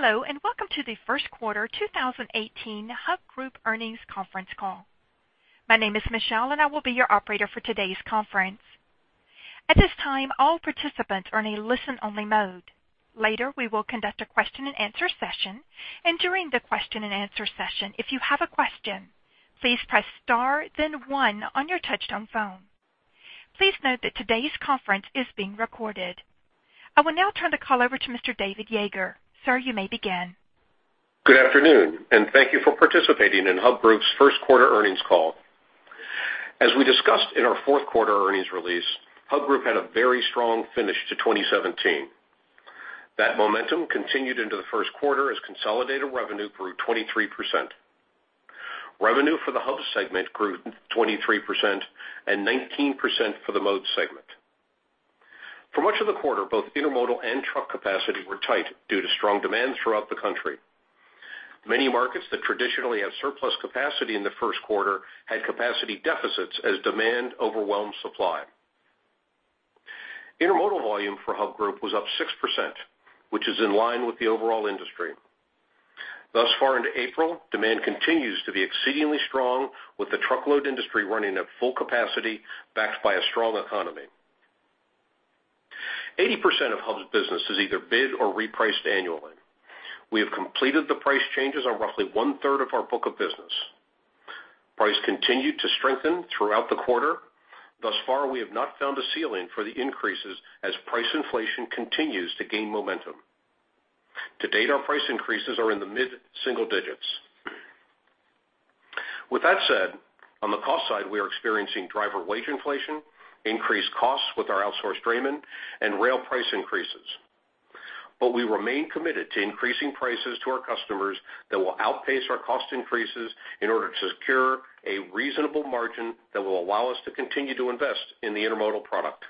Hello, welcome to the first quarter 2018 Hub Group earnings conference call. My name is Michelle, and I will be your operator for today's conference. At this time, all participants are in a listen-only mode. Later, we will conduct a question and answer session, and during the question and answer session, if you have a question, please press star then one on your touch-tone phone. Please note that today's conference is being recorded. I will now turn the call over to Mr. David Yeager. Sir, you may begin. Good afternoon, thank you for participating in Hub Group's first quarter earnings call. As we discussed in our fourth quarter earnings release, Hub Group had a very strong finish to 2017. That momentum continued into the first quarter as consolidated revenue grew 23%. Revenue for the Hub segment grew 23% and 19% for the Mode segment. For much of the quarter, both intermodal and truck capacity were tight due to strong demand throughout the country. Many markets that traditionally have surplus capacity in the first quarter had capacity deficits as demand overwhelmed supply. Intermodal volume for Hub Group was up 6%, which is in line with the overall industry. Thus far into April, demand continues to be exceedingly strong with the truckload industry running at full capacity, backed by a strong economy. 80% of Hub's business is either bid or repriced annually. We have completed the price changes on roughly one-third of our book of business. Price continued to strengthen throughout the quarter. Thus far, we have not found a ceiling for the increases as price inflation continues to gain momentum. To date, our price increases are in the mid-single digits. With that said, on the cost side, we are experiencing driver wage inflation, increased costs with our outsourced draymen, and rail price increases. We remain committed to increasing prices to our customers that will outpace our cost increases in order to secure a reasonable margin that will allow us to continue to invest in the intermodal product.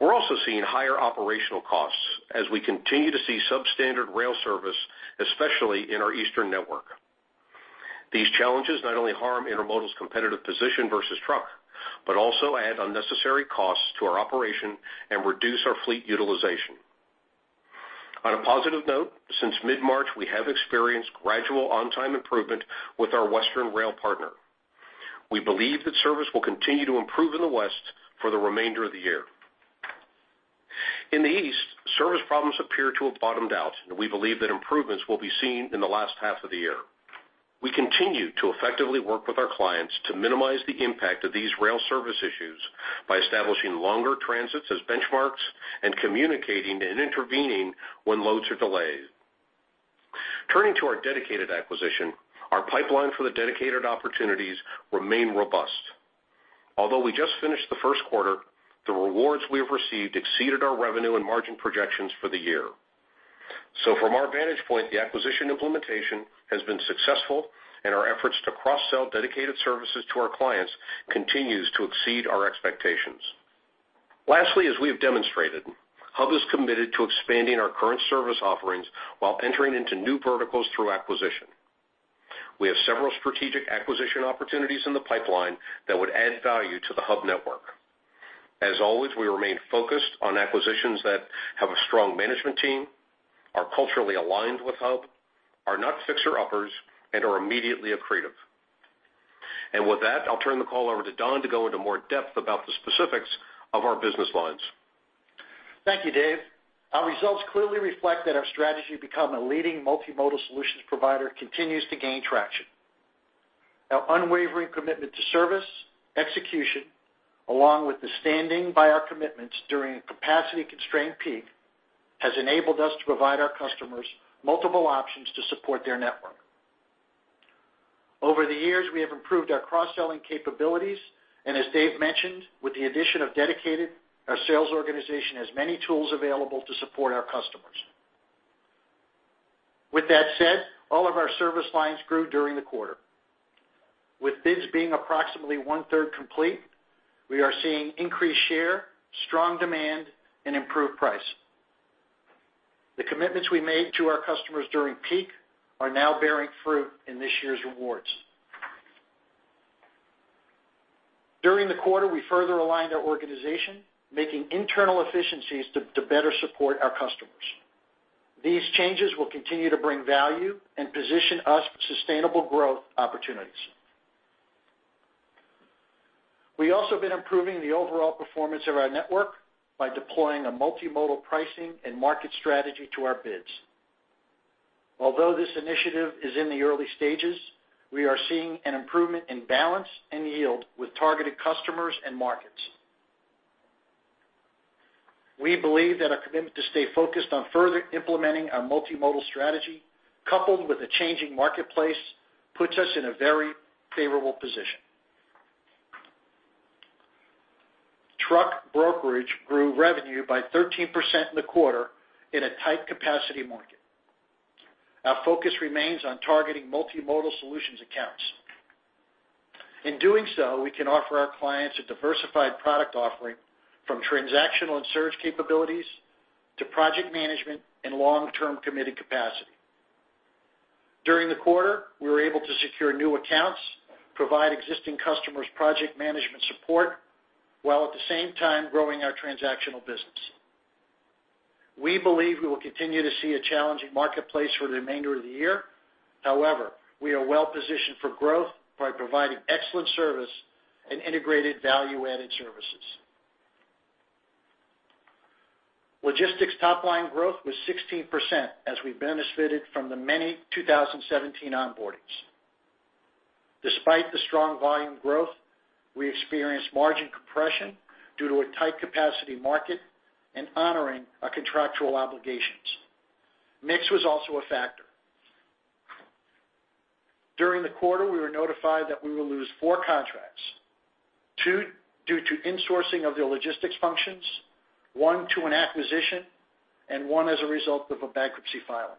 We're also seeing higher operational costs as we continue to see substandard rail service, especially in our eastern network. These challenges not only harm intermodal's competitive position versus truck, but also add unnecessary costs to our operation and reduce our fleet utilization. On a positive note, since mid-March, we have experienced gradual on-time improvement with our western rail partner. We believe that service will continue to improve in the west for the remainder of the year. In the east, service problems appear to have bottomed out, and we believe that improvements will be seen in the last half of the year. We continue to effectively work with our clients to minimize the impact of these rail service issues by establishing longer transits as benchmarks and communicating and intervening when loads are delayed. Turning to our dedicated acquisition, our pipeline for the dedicated opportunities remain robust. Although we just finished the first quarter, the rewards we have received exceeded our revenue and margin projections for the year. From our vantage point, the acquisition implementation has been successful, and our efforts to cross-sell dedicated services to our clients continues to exceed our expectations. Lastly, as we have demonstrated, Hub is committed to expanding our current service offerings while entering into new verticals through acquisition. We have several strategic acquisition opportunities in the pipeline that would add value to the Hub network. As always, we remain focused on acquisitions that have a strong management team, are culturally aligned with Hub, are not fixer-uppers, and are immediately accretive. With that, I'll turn the call over to Don to go into more depth about the specifics of our business lines. Thank you, Dave. Our results clearly reflect that our strategy to become a leading multimodal solutions provider continues to gain traction. Our unwavering commitment to service, execution, along with the standing by our commitments during a capacity-constrained peak, has enabled us to provide our customers multiple options to support their network. Over the years, we have improved our cross-selling capabilities, as Dave mentioned, with the addition of Dedicated, our sales organization has many tools available to support our customers. With that said, all of our service lines grew during the quarter. With bids being approximately one-third complete, we are seeing increased share, strong demand, and improved price. The commitments we made to our customers during peak are now bearing fruit in this year's awards. During the quarter, we further aligned our organization, making internal efficiencies to better support our customers. These changes will continue to bring value and position us for sustainable growth opportunities. We also have been improving the overall performance of our network by deploying a multimodal pricing and market strategy to our bids. Although this initiative is in the early stages, we are seeing an improvement in balance and yield with targeted customers and markets. We believe that our commitment to stay focused on further implementing our multimodal strategy, coupled with the changing marketplace, puts us in a very favorable position. Truck brokerage grew revenue by 13% in the quarter in a tight capacity market. Our focus remains on targeting multimodal solutions accounts. In doing so, we can offer our clients a diversified product offering from transactional and surge capabilities to project management and long-term committed capacity. During the quarter, we were able to secure new accounts, provide existing customers project management support, while at the same time growing our transactional business. We believe we will continue to see a challenging marketplace for the remainder of the year. However, we are well-positioned for growth by providing excellent service and integrated value-added services. Logistics top-line growth was 16% as we benefited from the many 2017 onboardings. Despite the strong volume growth, we experienced margin compression due to a tight capacity market and honoring our contractual obligations. Mix was also a factor. During the quarter, we were notified that we will lose four contracts, two due to insourcing of the logistics functions, one to an acquisition, and one as a result of a bankruptcy filing.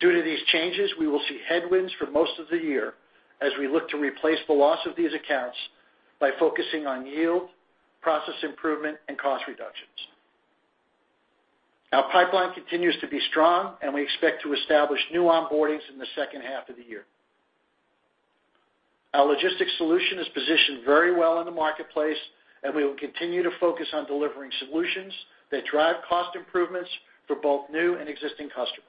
Due to these changes, we will see headwinds for most of the year as we look to replace the loss of these accounts by focusing on yield, process improvement, and cost reductions. Our pipeline continues to be strong, and we expect to establish new onboardings in the second half of the year. Our logistics solution is positioned very well in the marketplace, and we will continue to focus on delivering solutions that drive cost improvements for both new and existing customers.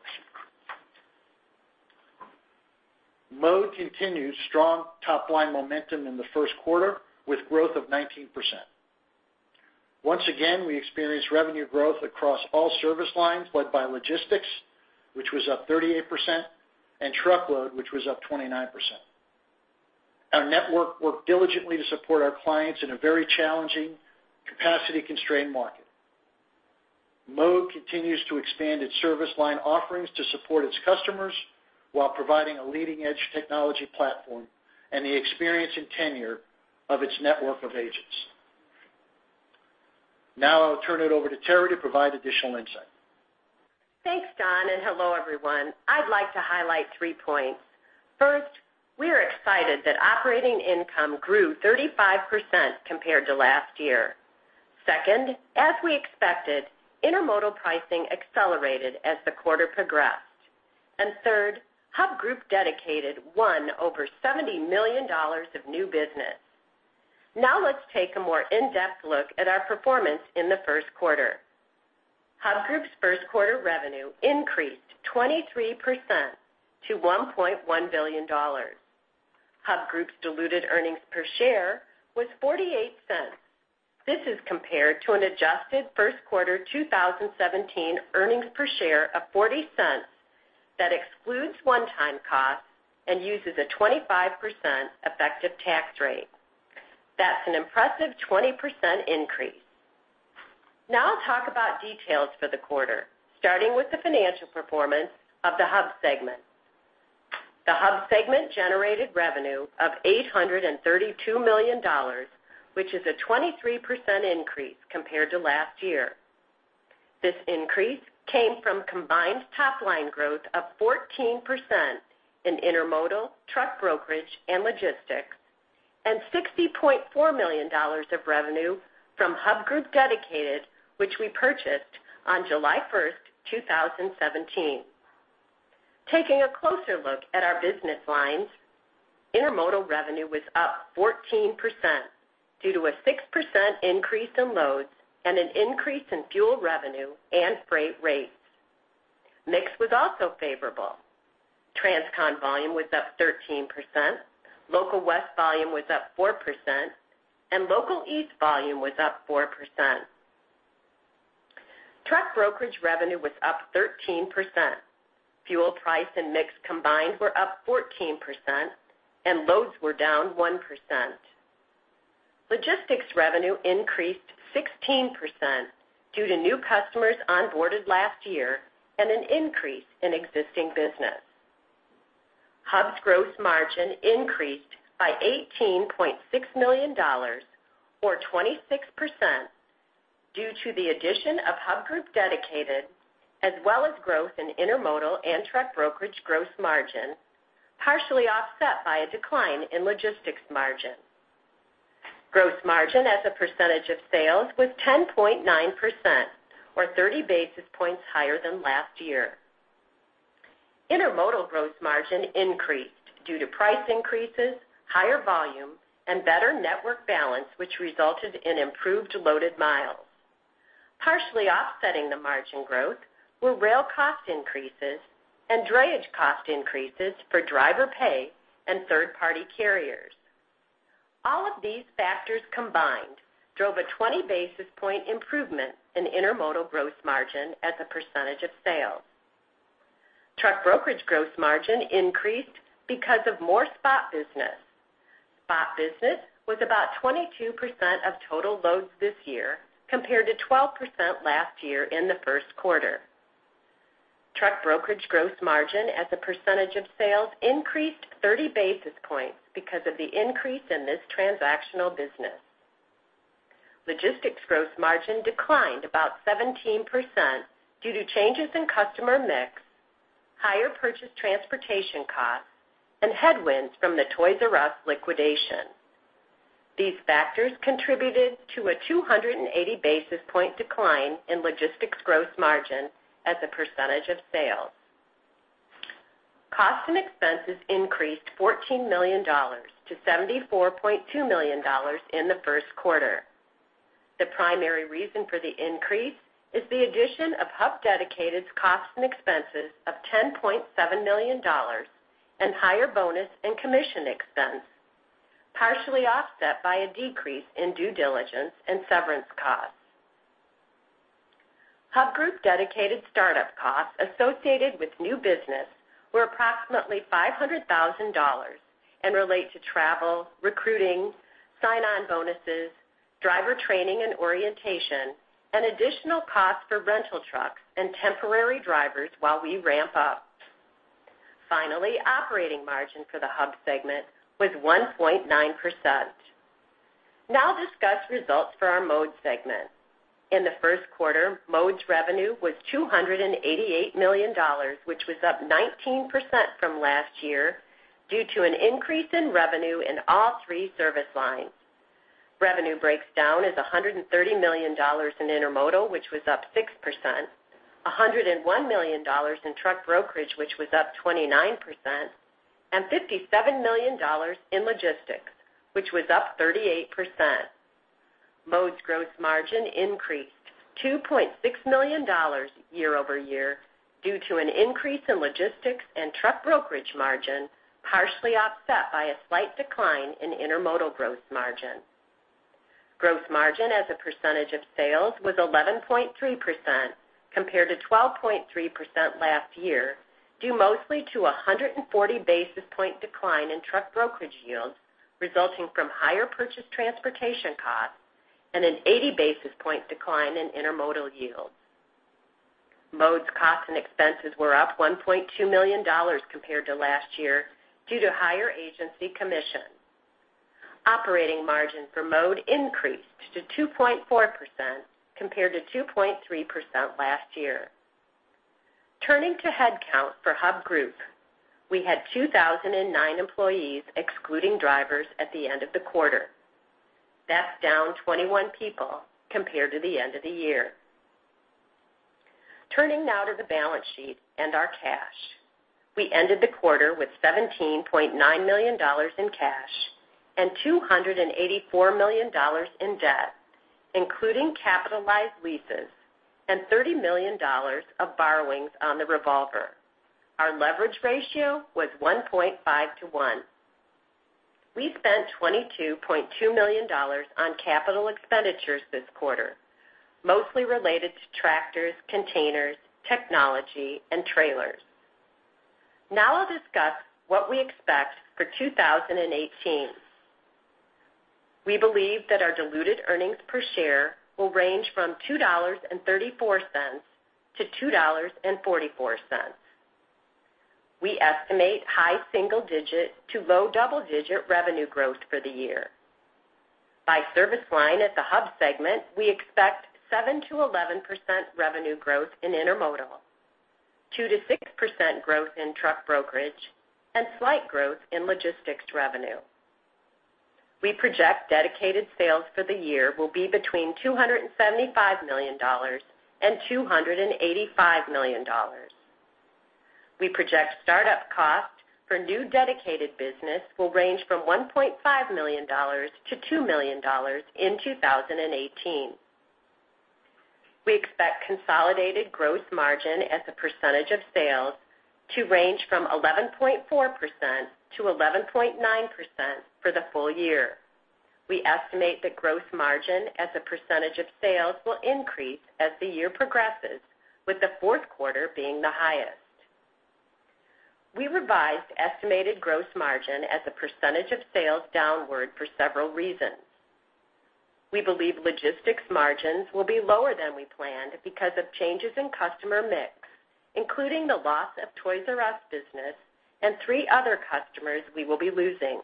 Mode continued strong top-line momentum in the first quarter with growth of 19%. Once again, we experienced revenue growth across all service lines, led by logistics, which was up 38%, and truckload, which was up 29%. Our network worked diligently to support our clients in a very challenging capacity-constrained market. Mode continues to expand its service line offerings to support its customers while providing a leading-edge technology platform and the experience and tenure of its network of agents. I'll turn it over to Terri to provide additional insight. Thanks, Don. Hello, everyone. I'd like to highlight three points. First, we're excited that operating income grew 35% compared to last year. Second, as we expected, intermodal pricing accelerated as the quarter progressed. Third, Hub Group Dedicated won over $70 million of new business. Let's take a more in-depth look at our performance in the first quarter. Hub Group's first quarter revenue increased 23% to $1.1 billion. Hub Group's diluted earnings per share was $0.48. This is compared to an adjusted first quarter 2017 earnings per share of $0.40 that excludes one-time costs and uses a 25% effective tax rate. That's an impressive 20% increase. I'll talk about details for the quarter, starting with the financial performance of the Hub segment. The Hub segment generated revenue of $832 million, which is a 23% increase compared to last year. This increase came from combined top-line growth of 14% in intermodal truck brokerage and logistics, $60.4 million of revenue from Hub Group Dedicated, which we purchased on July 1st, 2017. Taking a closer look at our business lines, intermodal revenue was up 14% due to a 6% increase in loads and an increase in fuel revenue and freight rates. Mix was also favorable. Transcon volume was up 13%, Local West volume was up 4%. Local East volume was up 4%. Truck brokerage revenue was up 13%. Fuel price and mix combined were up 14%. Loads were down 1%. Logistics revenue increased 16% due to new customers onboarded last year and an increase in existing business. Hub's gross margin increased by $18.6 million, or 26%, due to the addition of Hub Group Dedicated, as well as growth in intermodal and truck brokerage gross margin, partially offset by a decline in logistics margin. Gross margin as a percentage of sales was 10.9%, or 30 basis points higher than last year. Intermodal gross margin increased due to price increases, higher volume, and better network balance, which resulted in improved loaded miles. Partially offsetting the margin growth were rail cost increases and drayage cost increases for driver pay and third-party carriers. All of these factors combined drove a 20-basis point improvement in intermodal gross margin as a percentage of sales. Truck brokerage gross margin increased because of more spot business. Spot business was about 22% of total loads this year compared to 12% last year in the first quarter. Truck brokerage gross margin as a percentage of sales increased 30 basis points because of the increase in this transactional business. Logistics gross margin declined about 17% due to changes in customer mix, higher purchase transportation costs, and headwinds from the Toys "R" Us liquidation. These factors contributed to a 280 basis point decline in logistics gross margin as a percentage of sales. Costs and expenses increased $14 million to $74.2 million in the first quarter. The primary reason for the increase is the addition of Hub Group Dedicated's costs and expenses of $10.7 million and higher bonus and commission expense, partially offset by a decrease in due diligence and severance costs. Hub Group Dedicated startup costs associated with new business were approximately $500,000 and relate to travel, recruiting, sign-on bonuses, driver training and orientation, and additional costs for rental trucks and temporary drivers while we ramp up. Finally, operating margin for the Hub segment was 1.9%. Now I'll discuss results for our Mode segment. In the first quarter, Mode's revenue was $288 million, which was up 19% from last year due to an increase in revenue in all three service lines. Revenue breaks down as $130 million in intermodal, which was up 6%, $101 million in truck brokerage, which was up 29%, and $57 million in logistics, which was up 38%. Mode's gross margin increased to $2.6 million year-over-year due to an increase in logistics and truck brokerage margin, partially offset by a slight decline in intermodal gross margin. Gross margin as a percentage of sales was 11.3% compared to 12.3% last year, due mostly to a 140 basis point decline in truck brokerage yields resulting from higher purchase transportation costs and an 80 basis point decline in intermodal yields. Mode's costs and expenses were up $1.2 million compared to last year due to higher agency commissions. Operating margin for Mode increased to 2.4% compared to 2.3% last year. Turning to headcount for Hub Group, we had 2,009 employees excluding drivers at the end of the quarter. That's down 21 people compared to the end of the year. Turning now to the balance sheet and our cash. We ended the quarter with $17.9 million in cash and $284 million in debt, including capitalized leases and $30 million of borrowings on the revolver. Our leverage ratio was 1.5 to one. We spent $22.2 million on capital expenditures this quarter, mostly related to tractors, containers, technology, and trailers. Now I'll discuss what we expect for 2018. We believe that our diluted earnings per share will range from $2.34 to $2.44. We estimate high single-digit to low double-digit revenue growth for the year. By service line at the Hub segment, we expect 7%-11% revenue growth in intermodal, 2%-6% growth in truck brokerage, and slight growth in logistics revenue. We project dedicated sales for the year will be between $275 million and $285 million. We project startup costs for new dedicated business will range from $1.5 million-$2 million in 2018. We expect consolidated gross margin as a percentage of sales to range from 11.4%-11.9% for the full year. We estimate that gross margin as a percentage of sales will increase as the year progresses, with the fourth quarter being the highest. We revised estimated gross margin as a percentage of sales downward for several reasons. We believe logistics margins will be lower than we planned because of changes in customer mix, including the loss of Toys "R" Us business and three other customers we will be losing.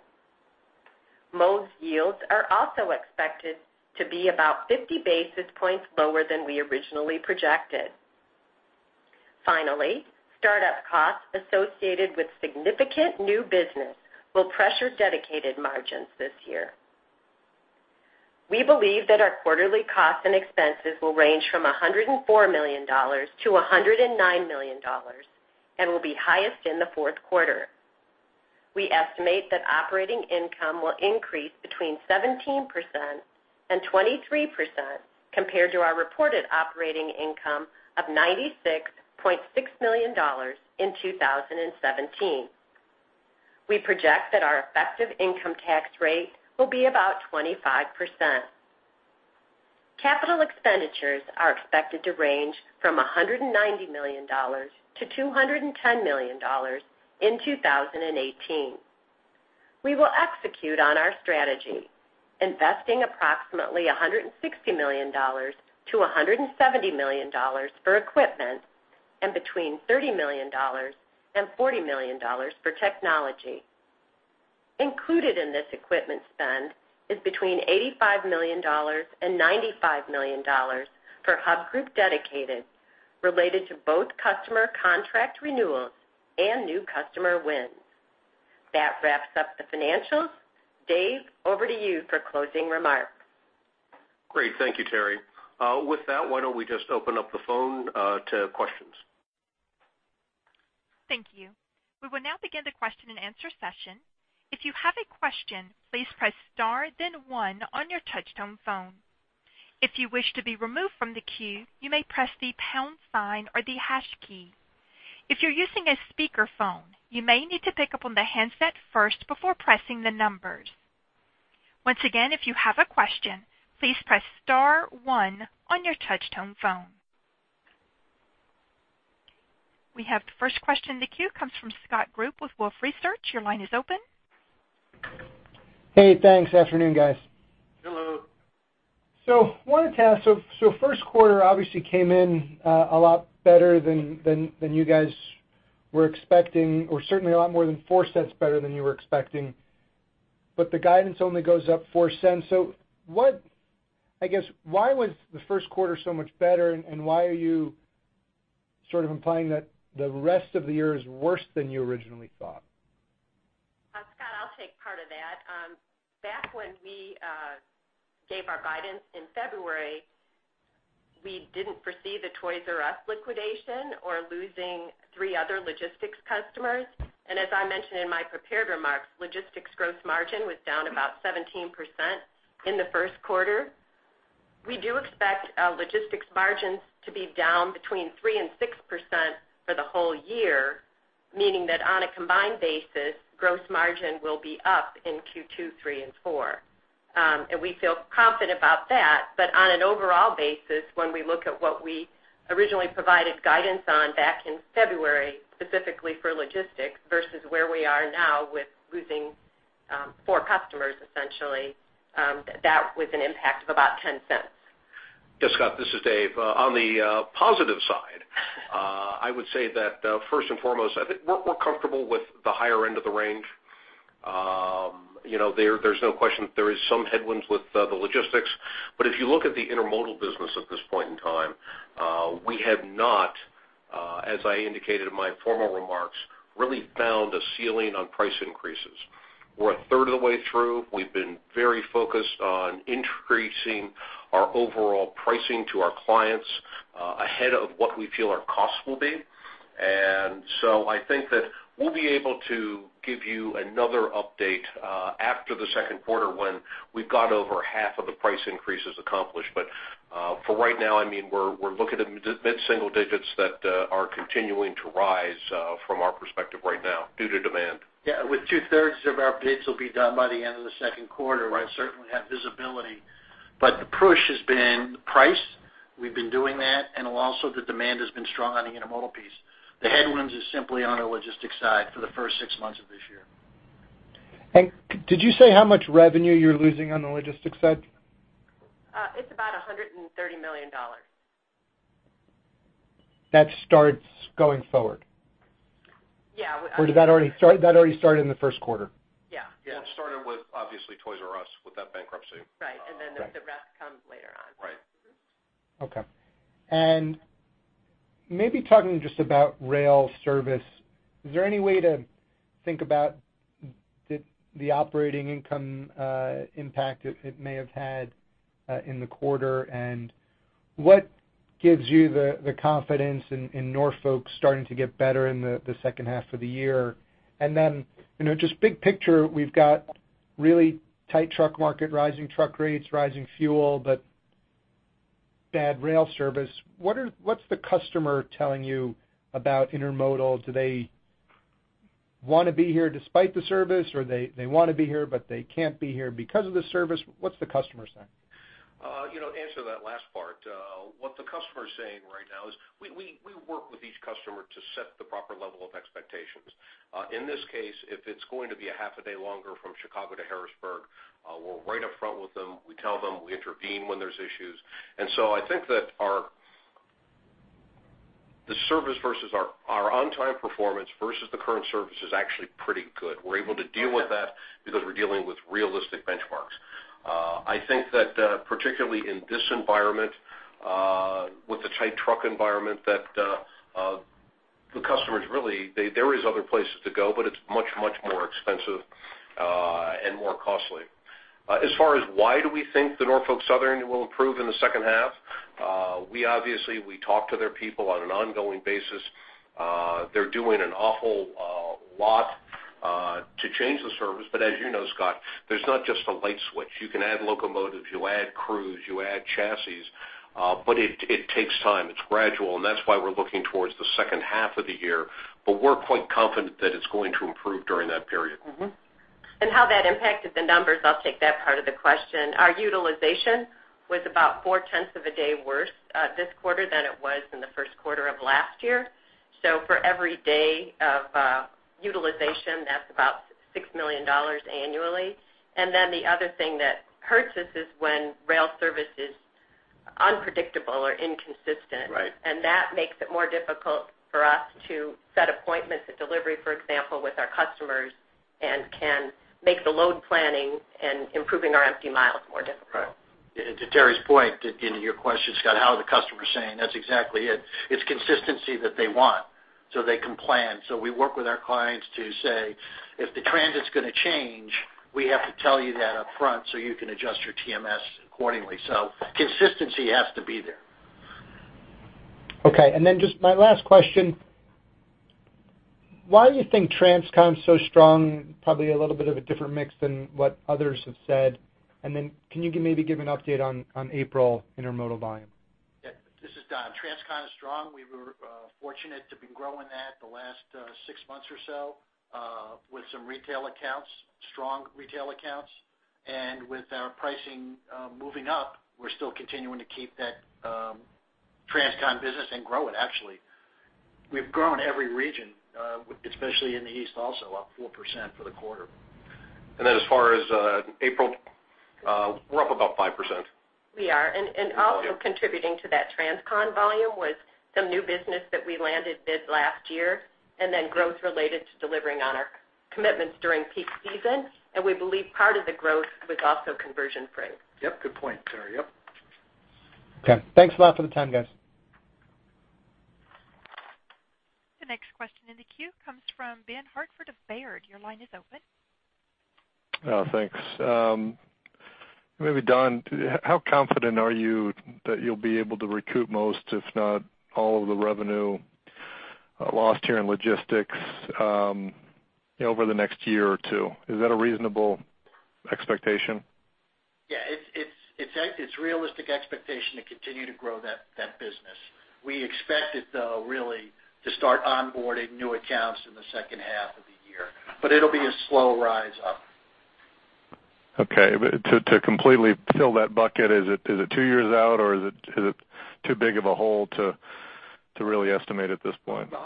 Mode's yields are also expected to be about 50 basis points lower than we originally projected. Finally, startup costs associated with significant new business will pressure dedicated margins this year. We believe that our quarterly costs and expenses will range from $104 million-$109 million and will be highest in the fourth quarter. We estimate that operating income will increase between 17% and 23% compared to our reported operating income of $96.6 million in 2017. We project that our effective income tax rate will be about 25%. Capital expenditures are expected to range from $190 million-$210 million in 2018. We will execute on our strategy, investing approximately $160 million-$170 million for equipment and between $30 million and $40 million for technology. Included in this equipment spend is between $85 million and $95 million for Hub Group Dedicated related to both customer contract renewals and new customer wins. That wraps up the financials. Dave, over to you for closing remarks. Great. Thank you, Terri. With that, why don't we just open up the phone to questions? Thank you. We will now begin the question and answer session. If you have a question, please press star one on your touch-tone phone. If you wish to be removed from the queue, you may press the pound sign or the hash key. If you're using a speakerphone, you may need to pick up on the handset first before pressing the numbers. Once again, if you have a question, please press star one on your touch-tone phone. We have the first question in the queue, comes from Scott Group with Wolfe Research. Your line is open. Hey, thanks. Afternoon, guys. Hello. Wanted to ask, first quarter obviously came in a lot better than you guys were expecting, or certainly a lot more than $0.04 better than you were expecting. The guidance only goes up $0.04. I guess, why was the first quarter so much better, and why are you sort of implying that the rest of the year is worse than you originally thought? Scott, I'll take part of that. Back when we gave our guidance in February, we didn't foresee the Toys "R" Us liquidation or losing three other logistics customers. As I mentioned in my prepared remarks, logistics gross margin was down about 17% in the first quarter. We do expect our logistics margins to be down between 3% and 6% for the whole year, meaning that on a combined basis, gross margin will be up in Q2, three and four. We feel confident about that. On an overall basis, when we look at what we originally provided guidance on back in February, specifically for logistics versus where we are now with losing four customers essentially, that was an impact of about $0.10. Yeah, Scott, this is Dave. On the positive side, I would say that first and foremost, I think we're comfortable with the higher end of the range. There's no question that there is some headwinds with the logistics. If you look at the intermodal business at this point in time, we have not, as I indicated in my formal remarks, really found a ceiling on price increases. We're a third of the way through. We've been very focused on increasing our overall pricing to our clients ahead of what we feel our costs will be. I think that we'll be able to give you another update after the second quarter when we've got over half of the price increases accomplished. For right now, we're looking at mid-single digits that are continuing to rise from our perspective right now due to demand. Yeah. With two-thirds of our base will be done by the end of the second quarter- Right We'll certainly have visibility. The push has been the price. We've been doing that, also the demand has been strong on the intermodal piece. The headwinds is simply on the logistics side for the first six months of this year. Did you say how much revenue you're losing on the logistics side? It's about $130 million. That starts going forward? Yeah. That already started in the first quarter? Yeah. Yeah. It started with, obviously, Toys "R" Us, with that bankruptcy. Right. The rest comes later on. Right. Okay. Maybe talking just about rail service, is there any way to think about the operating income impact it may have had in the quarter, and what gives you the confidence in Norfolk starting to get better in the second half of the year? Then, just big picture, we've got really tight truck market, rising truck rates, rising fuel, but bad rail service. What's the customer telling you about intermodal? Do they want to be here despite the service, or they want to be here, but they can't be here because of the service? What's the customer saying? To answer that last part, what the customer is saying right now is we work with each customer to set the proper level of expectations. In this case, if it's going to be a half a day longer from Chicago to Harrisburg, we're right up front with them. We tell them, we intervene when there's issues. So I think that our on-time performance versus the current service is actually pretty good. We're able to deal with that because we're dealing with realistic benchmarks. I think that particularly in this environment, with the tight truck environment, that the customers really, there is other places to go, but it's much, much more expensive and more costly. As far as why do we think the Norfolk Southern will improve in the second half? We obviously talk to their people on an ongoing basis. They're doing an awful lot to change the service, but as you know, Scott, there's not just a light switch. You can add locomotives, you add crews, you add chassis, but it takes time. It's gradual, and that's why we're looking towards the second half of the year. We're quite confident that it's going to improve during that period. How that impacted the numbers, I'll take that part of the question. Our utilization was about four-tenths of a day worse this quarter than it was in the first quarter of last year. For every day of utilization, that's about $6 million annually. The other thing that hurts us is when rail service is unpredictable or inconsistent. Right. That makes it more difficult to set appointments at delivery, for example, with our customers, and can make the load planning and improving our empty miles more difficult. Right. To Terri's point, and to your question, Scott, how are the customers saying, that's exactly it. It's consistency that they want so they can plan. We work with our clients to say, "If the transit's going to change, we have to tell you that up front so you can adjust your TMS accordingly." Consistency has to be there. Okay, just my last question, why do you think Transcon's so strong? Probably a little bit of a different mix than what others have said. Can you maybe give an update on April intermodal volume? Yeah. This is Don. Transcon is strong. We were fortunate to have been growing that the last six months or so with some retail accounts, strong retail accounts. With our pricing moving up, we're still continuing to keep that Transcon business and grow it actually. We've grown every region, especially in the East also, up 4% for the quarter. As far as April, we're up about 5%. We are. Also contributing to that Transcon volume was some new business that we landed mid last year, growth related to delivering on our commitments during peak season. We believe part of the growth was also conversion freight. Yep, good point, Terri. Yep. Okay. Thanks a lot for the time, guys. The next question in the queue comes from Ben Hartford of Baird. Your line is open. Thanks. Maybe Don, how confident are you that you'll be able to recoup most, if not all of the revenue lost here in logistics over the next year or two? Is that a reasonable expectation? Yeah. It's realistic expectation to continue to grow that business. We expect it, though, really to start onboarding new accounts in the second half of the year. It'll be a slow rise up. Okay. To completely fill that bucket, is it two years out, or is it too big of a hole to really estimate at this point? The $130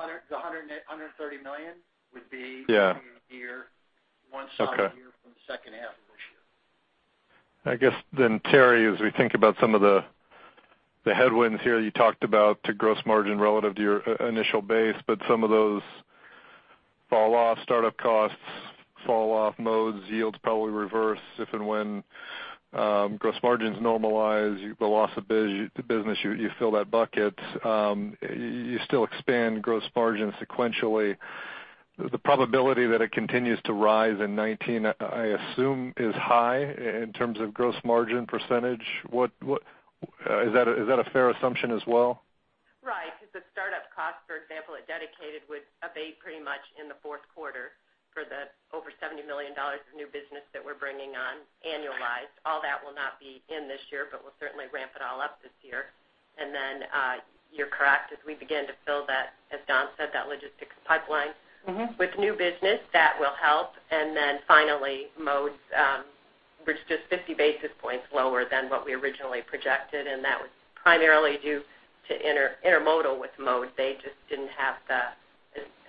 million would be Yeah year, one side of the year from the second half of this year. I guess, Terri, as we think about some of the headwinds here, you talked about the gross margin relative to your initial base, but some of those fall-off, startup costs fall-off, Mode's yields probably reverse if and when gross margins normalize. The loss of business, you fill that bucket. You still expand gross margin sequentially. The probability that it continues to rise in 2019, I assume is high in terms of gross margin %. Is that a fair assumption as well? Right. Because the startup cost, for example, at Hub Group Dedicated would abate pretty much in the fourth quarter for the over $70 million of new business that we're bringing on annualized. All that will not be in this year, but we'll certainly ramp it all up this year. You're correct, as we begin to fill that, as Don said, that logistics pipeline. with new business, that will help. Finally, Mode Transportation, which just 50 basis points lower than what we originally projected, and that was primarily due to intermodal with Mode Transportation. They just didn't have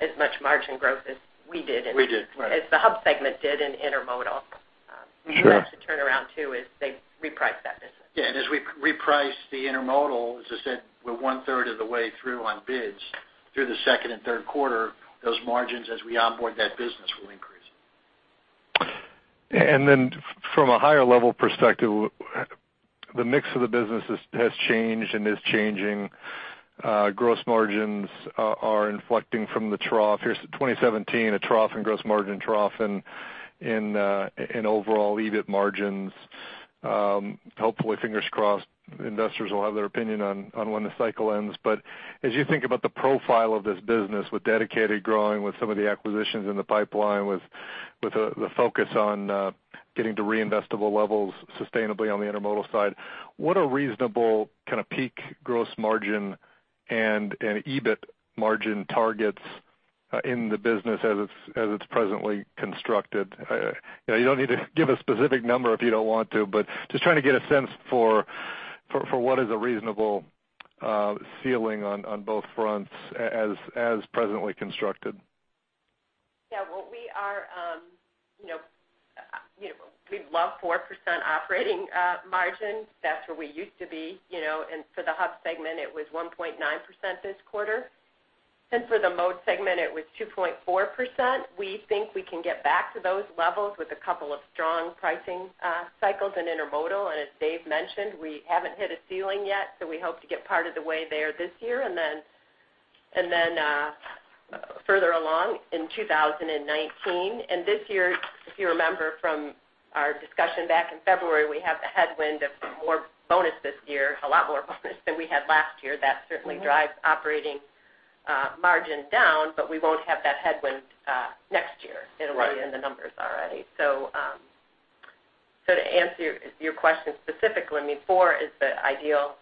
as much margin growth as we did. We did. Right. as the Hub segment did in intermodal. Right. We have to turn around too, as they reprice that business. Yeah. As we reprice the intermodal, as I said, we're one-third of the way through on bids through the second and third quarter. Those margins, as we onboard that business, will increase. From a higher-level perspective, the mix of the business has changed and is changing. Gross margins are inflecting from the trough. Here's 2017, a trough and gross margin trough, and overall EBIT margins. Hopefully, fingers crossed, investors will have their opinion on when the cycle ends. As you think about the profile of this business with Dedicated growing, with some of the acquisitions in the pipeline, with the focus on getting to reinvestable levels sustainably on the intermodal side, what are reasonable kind of peak gross margin and EBIT margin targets in the business as it's presently constructed? You don't need to give a specific number if you don't want to, but just trying to get a sense for what is a reasonable ceiling on both fronts as presently constructed. Yeah. We'd love 4% operating margin. That's where we used to be. For the Hub segment, it was 1.9% this quarter. For the Mode segment, it was 2.4%. We think we can get back to those levels with a couple of strong pricing cycles in intermodal. As Dave mentioned, we haven't hit a ceiling yet, so we hope to get part of the way there this year, then further along in 2019. This year, if you remember from our discussion back in February, we have the headwind of more bonus this year, a lot more bonus than we had last year. That certainly drives operating margin down, but we won't have that headwind next year. It'll be in the numbers already. To answer your question specifically, four is the ideal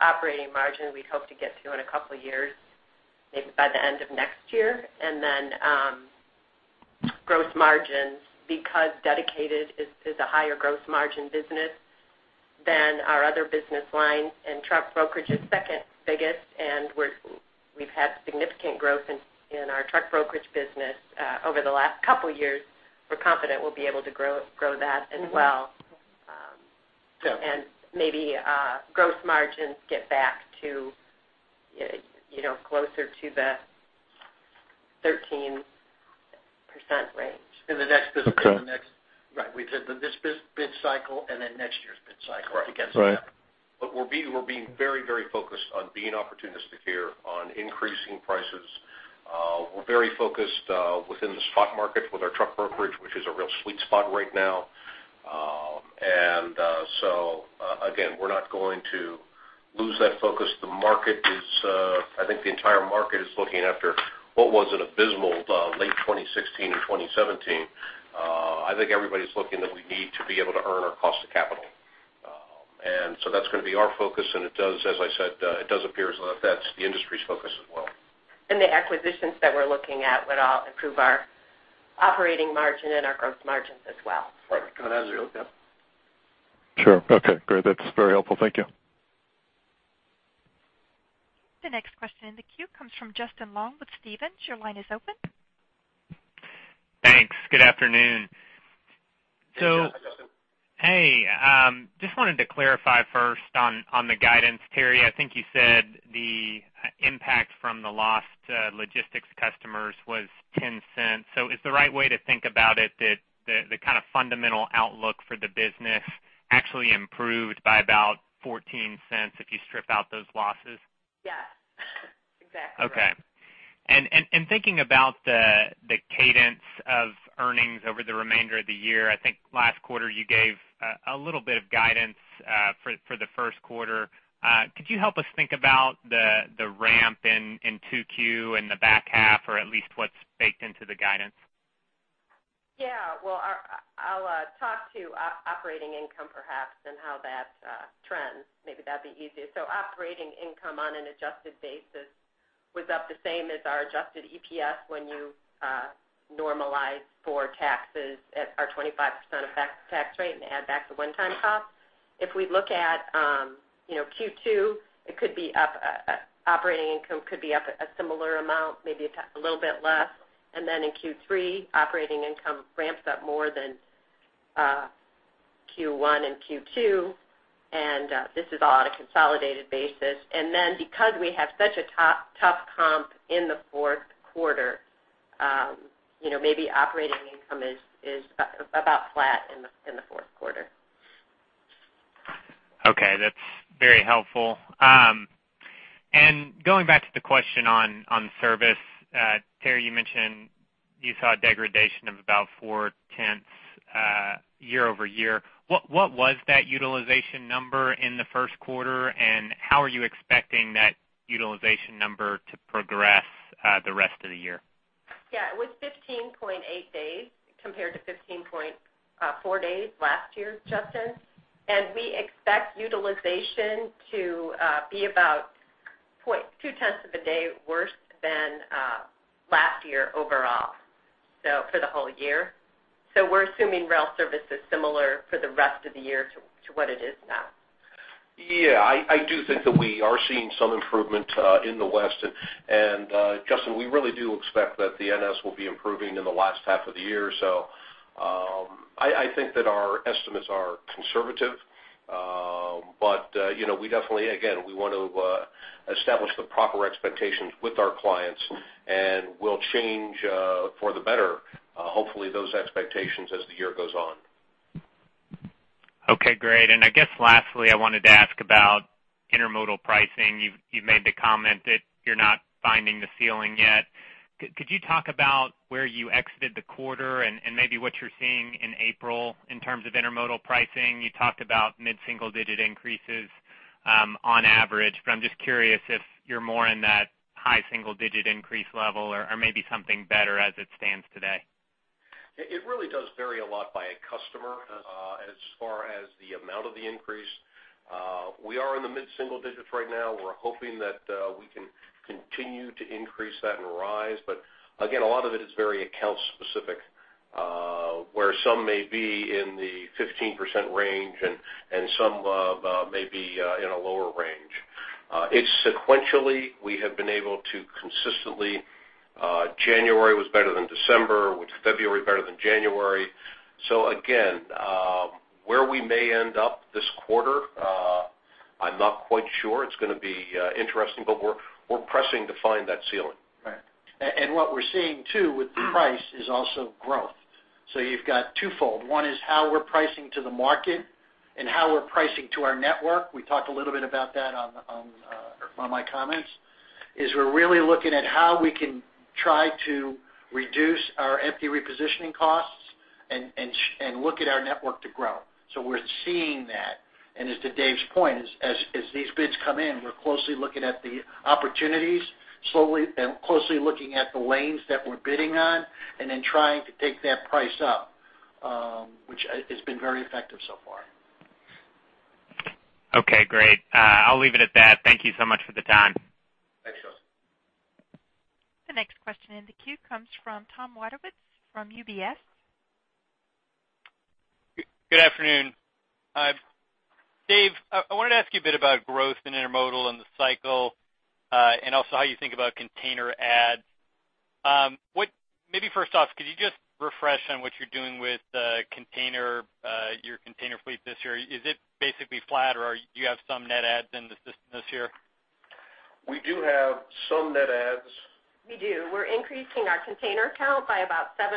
operating margin we'd hope to get to in a couple of years, maybe by the end of next year. Gross margins, because Dedicated is a higher gross margin business than our other business lines, and truck brokerage is second biggest, and we've had significant growth in our truck brokerage business over the last couple of years. We're confident we'll be able to grow that as well. Maybe gross margins get back closer to the 13% range. In the next business- Okay. Right. We said this bid cycle next year's bid cycle- Right. Right against that. We're being very focused on being opportunistic here on increasing prices. We're very focused within the spot market with our truck brokerage, which is a real sweet spot right now. Again, we're not going to lose that focus. I think the entire market is looking after what was an abysmal late 2016 and 2017. I think everybody's looking that we need to be able to earn our cost of capital. That's going to be our focus, and it does, as I said, appear as though that's the industry's focus as well. The acquisitions that we're looking at would all improve our operating margin and our gross margins as well. Right. Sure. Okay, great. That's very helpful. Thank you. The next question in the queue comes from Justin Long with Stephens. Your line is open. Thanks. Good afternoon. Good afternoon, Justin. Hey, just wanted to clarify first on the guidance, Terri. I think you said the impact from the lost logistics customers was $0.10. Is the right way to think about it that the kind of fundamental outlook for the business actually improved by about $0.14 if you strip out those losses? Yes. Exactly right. Okay. Thinking about the cadence of earnings over the remainder of the year, I think last quarter you gave a little bit of guidance for the first quarter. Could you help us think about the ramp in 2Q in the back half or at least what's baked into the guidance? Well, I'll talk to operating income perhaps and how that trends. Maybe that'd be easier. Operating income on an adjusted basis was up the same as our adjusted EPS when you normalize for taxes at our 25% effective tax rate and add back the one-time cost. If we look at Q2, operating income could be up a similar amount, maybe a little bit less. In Q3, operating income ramps up more than Q1 and Q2, and this is all on a consolidated basis. Because we have such a tough comp in the fourth quarter, maybe operating income is about flat in the fourth quarter. Okay. That's very helpful. Going back to the question on service, Terri, you mentioned you saw a degradation of about four tenths year-over-year. What was that utilization number in the first quarter, and how are you expecting that utilization number to progress the rest of the year? It was 15.8 days compared to 15.4 days last year, Justin. We expect utilization to be about 0.2 tenths of a day worse than last year overall. For the whole year. We're assuming rail service is similar for the rest of the year to what it is now. Yeah, I do think that we are seeing some improvement in the West. Justin, we really do expect that the NS will be improving in the last half of the year. I think that our estimates are conservative. We definitely, again, want to establish the proper expectations with our clients, we'll change for the better, hopefully those expectations as the year goes on. Okay, great. I guess lastly, I wanted to ask about intermodal pricing. You've made the comment that you're not finding the ceiling yet. Could you talk about where you exited the quarter and maybe what you're seeing in April in terms of intermodal pricing? You talked about mid-single-digit increases on average, I'm just curious if you're more in that high single-digit increase level or maybe something better as it stands today. It really does vary a lot by customer as far as the amount of the increase. We are in the mid-single digits right now. We're hoping that we can continue to increase that and rise. Again, a lot of it is very account specific, where some may be in the 15% range and some may be in a lower range. It's sequentially, we have been able to consistently January was better than December, with February better than January. Again, where we may end up this quarter, I'm not quite sure. It's going to be interesting, we're pressing to find that ceiling. Right. What we're seeing too with the price is also growth. You've got twofold. One is how we're pricing to the market and how we're pricing to our network. We talked a little bit about that on one of my comments, is we're really looking at how we can try to reduce our empty repositioning costs and look at our network to grow. We're seeing that, as to Dave's point, as these bids come in, we're closely looking at the opportunities, closely looking at the lanes that we're bidding on, then trying to take that price up, which has been very effective so far. Okay, great. I'll leave it at that. Thank you so much for the time. Thanks, Justin. The next question in the queue comes from Thomas Wadewitz from UBS. Good afternoon. Dave, I wanted to ask you a bit about growth in intermodal and the cycle, and also how you think about container adds. Maybe first off, could you just refresh on what you're doing with your container fleet this year? Is it basically flat, or you have some net adds in the system this year? We do have some net adds. We do. We're increasing our container count by about 7%.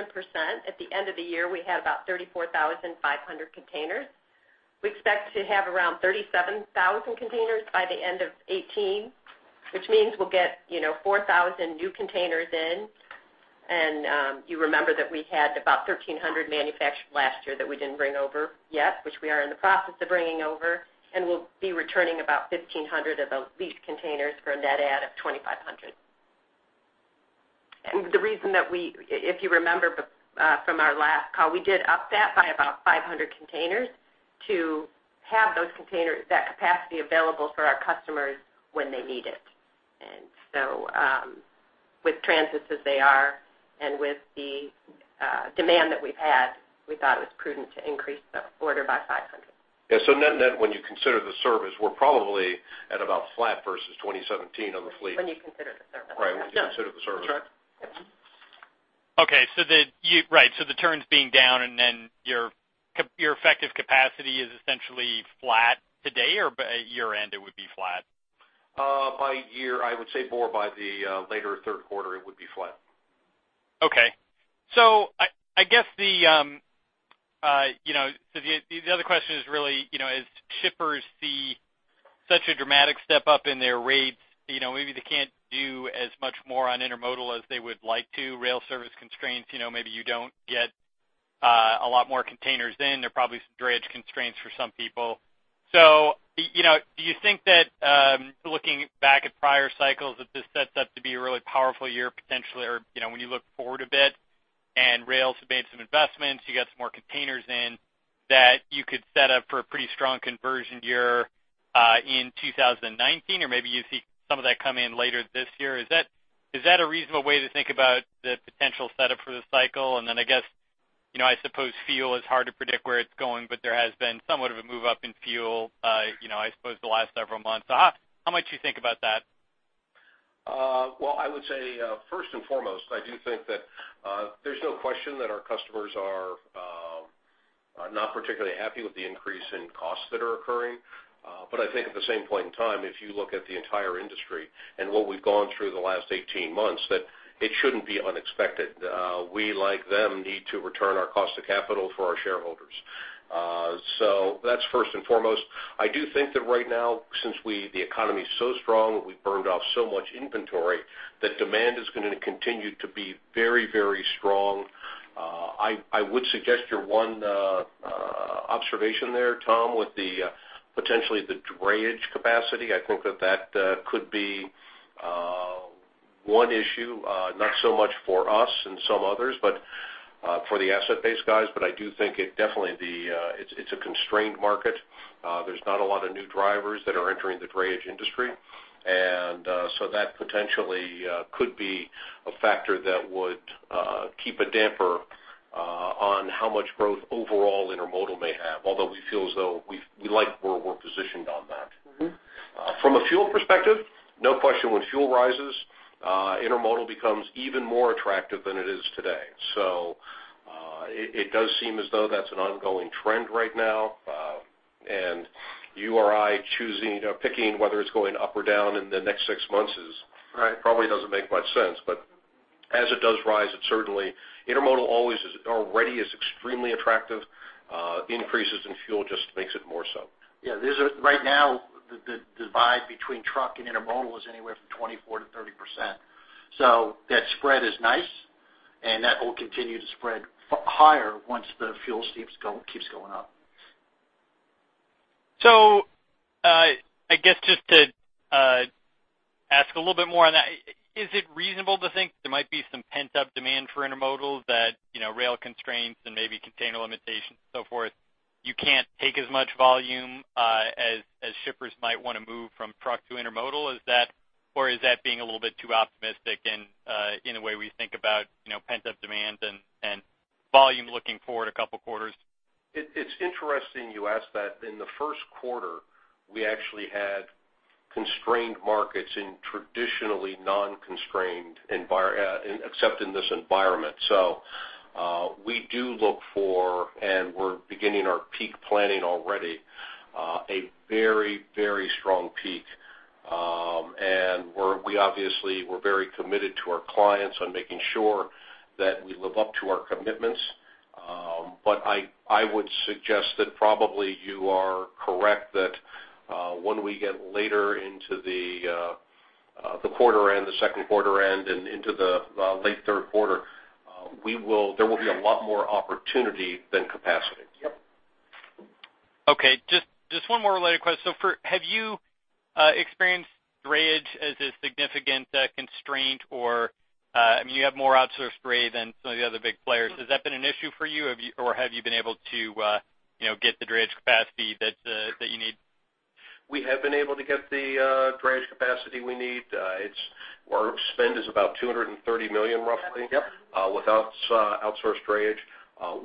At the end of the year, we had about 34,500 containers. We expect to have around 37,000 containers by the end of 2018, which means we'll get 4,000 new containers in. You remember that we had about 1,300 manufactured last year that we didn't bring over yet, which we are in the process of bringing over. We'll be returning about 1,500 of those leased containers for a net add of 2,500. The reason that we, if you remember from our last call, we did up that by about 500 containers to have those containers, that capacity available for our customers when they need it. With transits as they are, and with the demand that we've had, we thought it was prudent to increase the order by 500. Yeah. Net-net, when you consider the service, we're probably at about flat versus 2017 on the fleet. When you consider the service. Right, when you consider the service. Okay. The turns being down, your effective capacity is essentially flat today, or year-end it would be flat? By year, I would say more by the later third quarter it would be flat. Okay. I guess the other question is really, as shippers see such a dramatic step-up in their rates, maybe they can't do as much more on intermodal as they would like to, rail service constraints, maybe you don't get a lot more containers in. There are probably some drayage constraints for some people. Do you think that, looking back at prior cycles, that this sets up to be a really powerful year potentially, or when you look forward a bit, and rails have made some investments, you got some more containers in, that you could set up for a pretty strong conversion year in 2019, or maybe you see some of that come in later this year. Is that a reasonable way to think about the potential setup for the cycle? I guess, I suppose fuel is hard to predict where it's going, there has been somewhat of a move up in fuel, I suppose the last several months. How might you think about that? Well, I would say, first and foremost, I do think that there's no question that our customers are not particularly happy with the increase in costs that are occurring. I think at the same point in time, if you look at the entire industry and what we've gone through the last 18 months, that it shouldn't be unexpected. We, like them, need to return our cost of capital for our shareholders. That's first and foremost. I do think that right now, since the economy is so strong and we've burned off so much inventory, that demand is going to continue to be very strong. I would suggest your one observation there, Tom, with potentially the drayage capacity, I think that that could be one issue. Not so much for us and some others, but for the asset base guys. I do think it definitely it's a constrained market. There's not a lot of new drivers that are entering the drayage industry. That potentially could be a factor that would keep a damper on how much growth overall intermodal may have. Although we feel as though we like where we're positioned on that. From a fuel perspective, no question when fuel rises, intermodal becomes even more attractive than it is today. It does seem as though that's an ongoing trend right now. And you or I choosing or picking whether it's going up or down in the next six months is- Right Probably doesn't make much sense. As it does rise, it certainly, intermodal already is extremely attractive. Increases in fuel just makes it more so. Yeah. Right now, the divide between truck and intermodal is anywhere from 24%-30%. That spread is nice, and that will continue to spread higher once the fuel keeps going up. I guess just to ask a little bit more on that, is it reasonable to think there might be some pent-up demand for intermodal that, rail constraints and maybe container limitations, so forth, you can't take as much volume as shippers might want to move from truck to intermodal? Or is that being a little bit too optimistic in the way we think about pent-up demand and volume looking forward a couple of quarters? It's interesting you ask that. In the first quarter, we actually had constrained markets in traditionally non-constrained, except in this environment. We do look for, and we're beginning our peak planning already, a very strong peak. We obviously, we're very committed to our clients on making sure that we live up to our commitments. I would suggest that probably you are correct that when we get later into the quarter end, the second quarter end, and into the late third quarter, there will be a lot more opportunity than capacity. Yep. Okay, just one more related question. Have you experienced drayage as a significant constraint, or you have more outsourced dray than some of the other big players. Has that been an issue for you, or have you been able to get the drayage capacity that you need? We have been able to get the drayage capacity we need. Our spend is about $230 million roughly. Yep without outsourced drayage.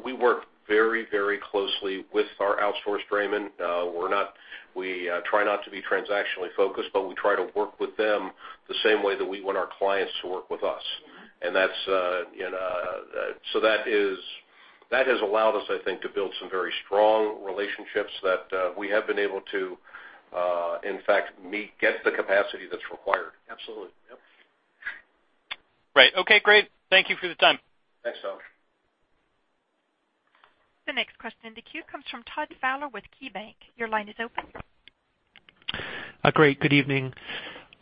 We work very closely with our outsourced draymen. We try not to be transactionally focused, but we try to work with them the same way that we want our clients to work with us. Yeah. That has allowed us, I think, to build some very strong relationships that we have been able to, in fact, get the capacity that's required. Absolutely. Yep. Right. Okay, great. Thank you for the time. Thanks, Todd. The next question in the queue comes from Todd Fowler with KeyBank. Your line is open. Great. Good evening.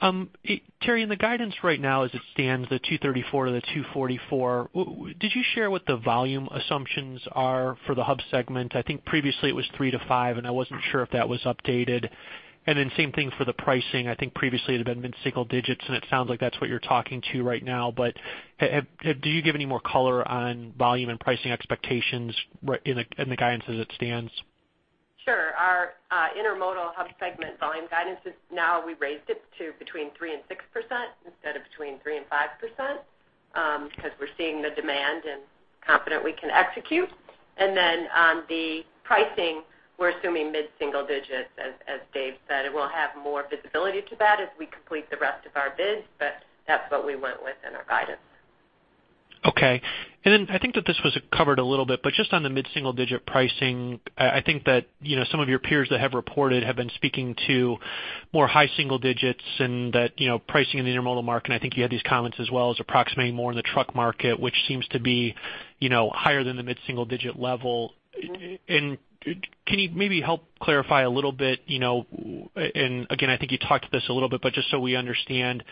Terri, in the guidance right now as it stands, the $234-$244, did you share what the volume assumptions are for the Hub segment? I think previously it was 3%-5%, I wasn't sure if that was updated. Same thing for the pricing. I think previously it had been mid-single digits, and it sounds like that's what you're talking to right now. Do you give any more color on volume and pricing expectations in the guidance as it stands? Sure. Our Intermodal Hub segment volume guidance is now we raised it to between 3% and 6% instead of between 3% and 5%, because we're seeing the demand and confident we can execute. On the pricing, we're assuming mid-single digits. As Dave said, we'll have more visibility to that as we complete the rest of our bids, but that's what we went with in our guidance. Okay. I think that this was covered a little bit, but just on the mid-single digit pricing, I think that some of your peers that have reported have been speaking to more high single digits and that pricing in the intermodal market, I think you had these comments as well, is approximating more in the truck market, which seems to be higher than the mid-single digit level. Can you maybe help clarify a little bit? Again, I think you talked to this a little bit, but just so we understand,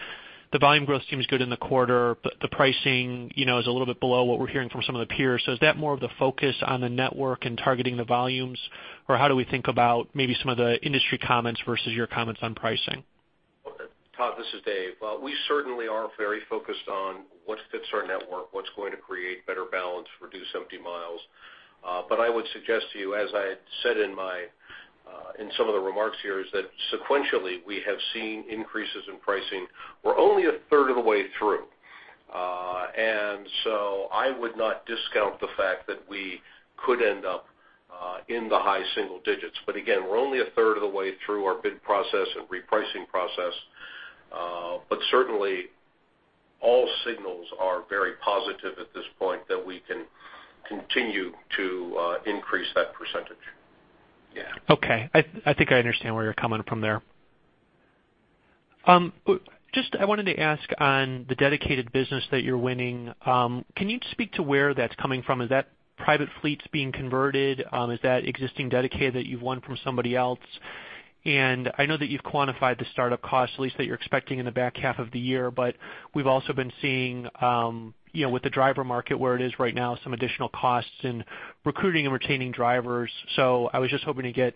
the volume growth seems good in the quarter, but the pricing is a little bit below what we're hearing from some of the peers. Is that more of the focus on the network and targeting the volumes? How do we think about maybe some of the industry comments versus your comments on pricing? Todd, this is Dave. We certainly are very focused on what fits our network, what's going to create better balance, reduce empty miles. I would suggest to you, as I had said in some of the remarks here, is that sequentially, we have seen increases in pricing. We're only a third of the way through. I would not discount the fact that we could end up in the high single digits. Again, we're only a third of the way through our bid process and repricing process. Certainly, all signals are very positive at this point that we can continue to increase that percentage. Yeah. Okay. I think I understand where you're coming from there. I wanted to ask on the dedicated business that you're winning, can you speak to where that's coming from? Is that private fleets being converted? Is that existing dedicated that you've won from somebody else? I know that you've quantified the startup costs, at least that you're expecting in the back half of the year, but we've also been seeing, with the driver market where it is right now, some additional costs in recruiting and retaining drivers. I was just hoping to get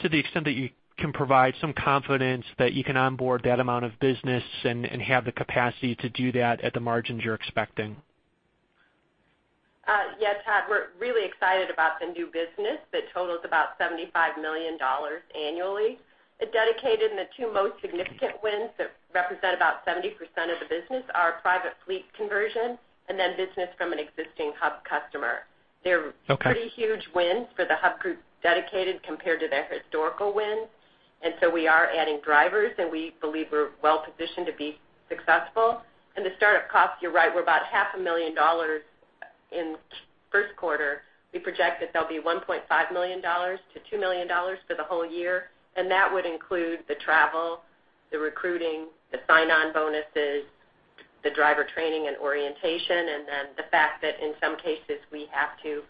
to the extent that you can provide some confidence that you can onboard that amount of business and have the capacity to do that at the margins you're expecting. Yeah, Todd, we're really excited about the new business that totals about $75 million annually. Dedicated, and the two most significant wins that represent about 70% of the business are private fleet conversion, and then business from an existing Hub customer. Okay. They're pretty huge wins for the Hub Group Dedicated compared to their historical wins. We are adding drivers, and we believe we're well-positioned to be successful. The startup costs, you're right, we're about half a million dollars in first quarter. We project that there'll be $1.5 million to $2 million for the whole year, and that would include the travel, the recruiting, the sign-on bonuses, the driver training and orientation, and then the fact that in some cases, we have to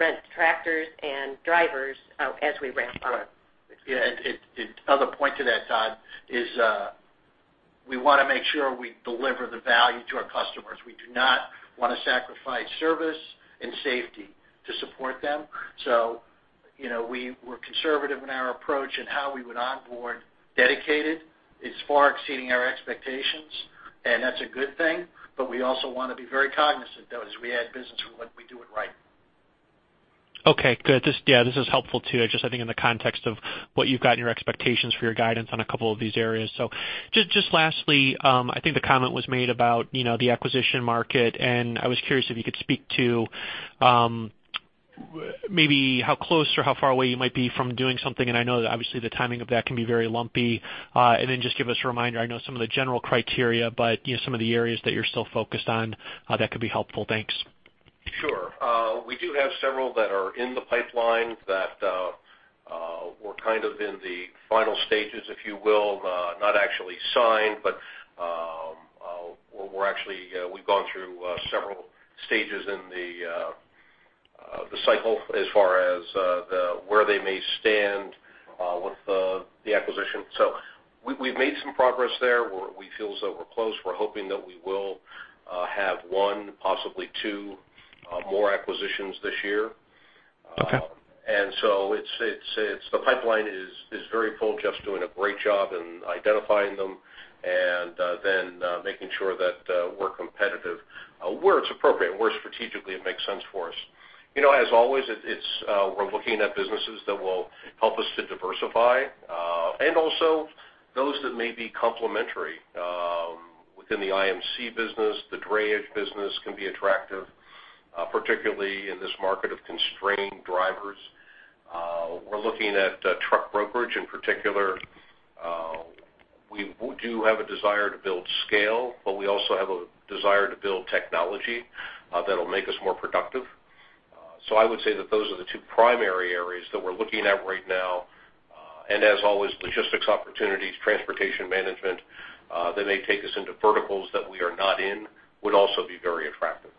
rent tractors and drivers as we ramp up. Right. Yeah, I'll just point to that, Todd, is we want to make sure we deliver the value to our customers. We do not want to sacrifice service and safety to support them. We were conservative in our approach in how we would onboard Dedicated. It's far exceeding our expectations, and that's a good thing. We also want to be very cognizant, though, as we add business, we want we do it right. Okay, good. Yeah, this is helpful too, just I think in the context of what you've got in your expectations for your guidance on a couple of these areas. Just lastly, I think the comment was made about the acquisition market, and I was curious if you could speak to maybe how close or how far away you might be from doing something. I know that obviously the timing of that can be very lumpy. Just give us a reminder, I know some of the general criteria, but some of the areas that you're still focused on that could be helpful. Thanks. Sure. We do have several that are in the pipeline that were kind of in the final stages, if you will. Not actually signed, but we've gone through several stages in the cycle as far as where they may stand with the acquisition. We've made some progress there. We feel as though we're close. We're hoping that we will have one, possibly two more acquisitions this year. Okay. The pipeline is very full. Jeff's doing a great job in identifying them and then making sure that we're competitive where it's appropriate, where strategically it makes sense for us. As always, we're looking at businesses that will help us to diversify, and also those that may be complementary within the IMC business. The drayage business can be attractive, particularly in this market of constrained drivers. We're looking at truck brokerage in particular. We do have a desire to build scale, but we also have a desire to build technology that'll make us more productive. I would say that those are the two primary areas that we're looking at right now. As always, logistics opportunities, transportation management, that may take us into verticals that we are not in, would also be very attractive.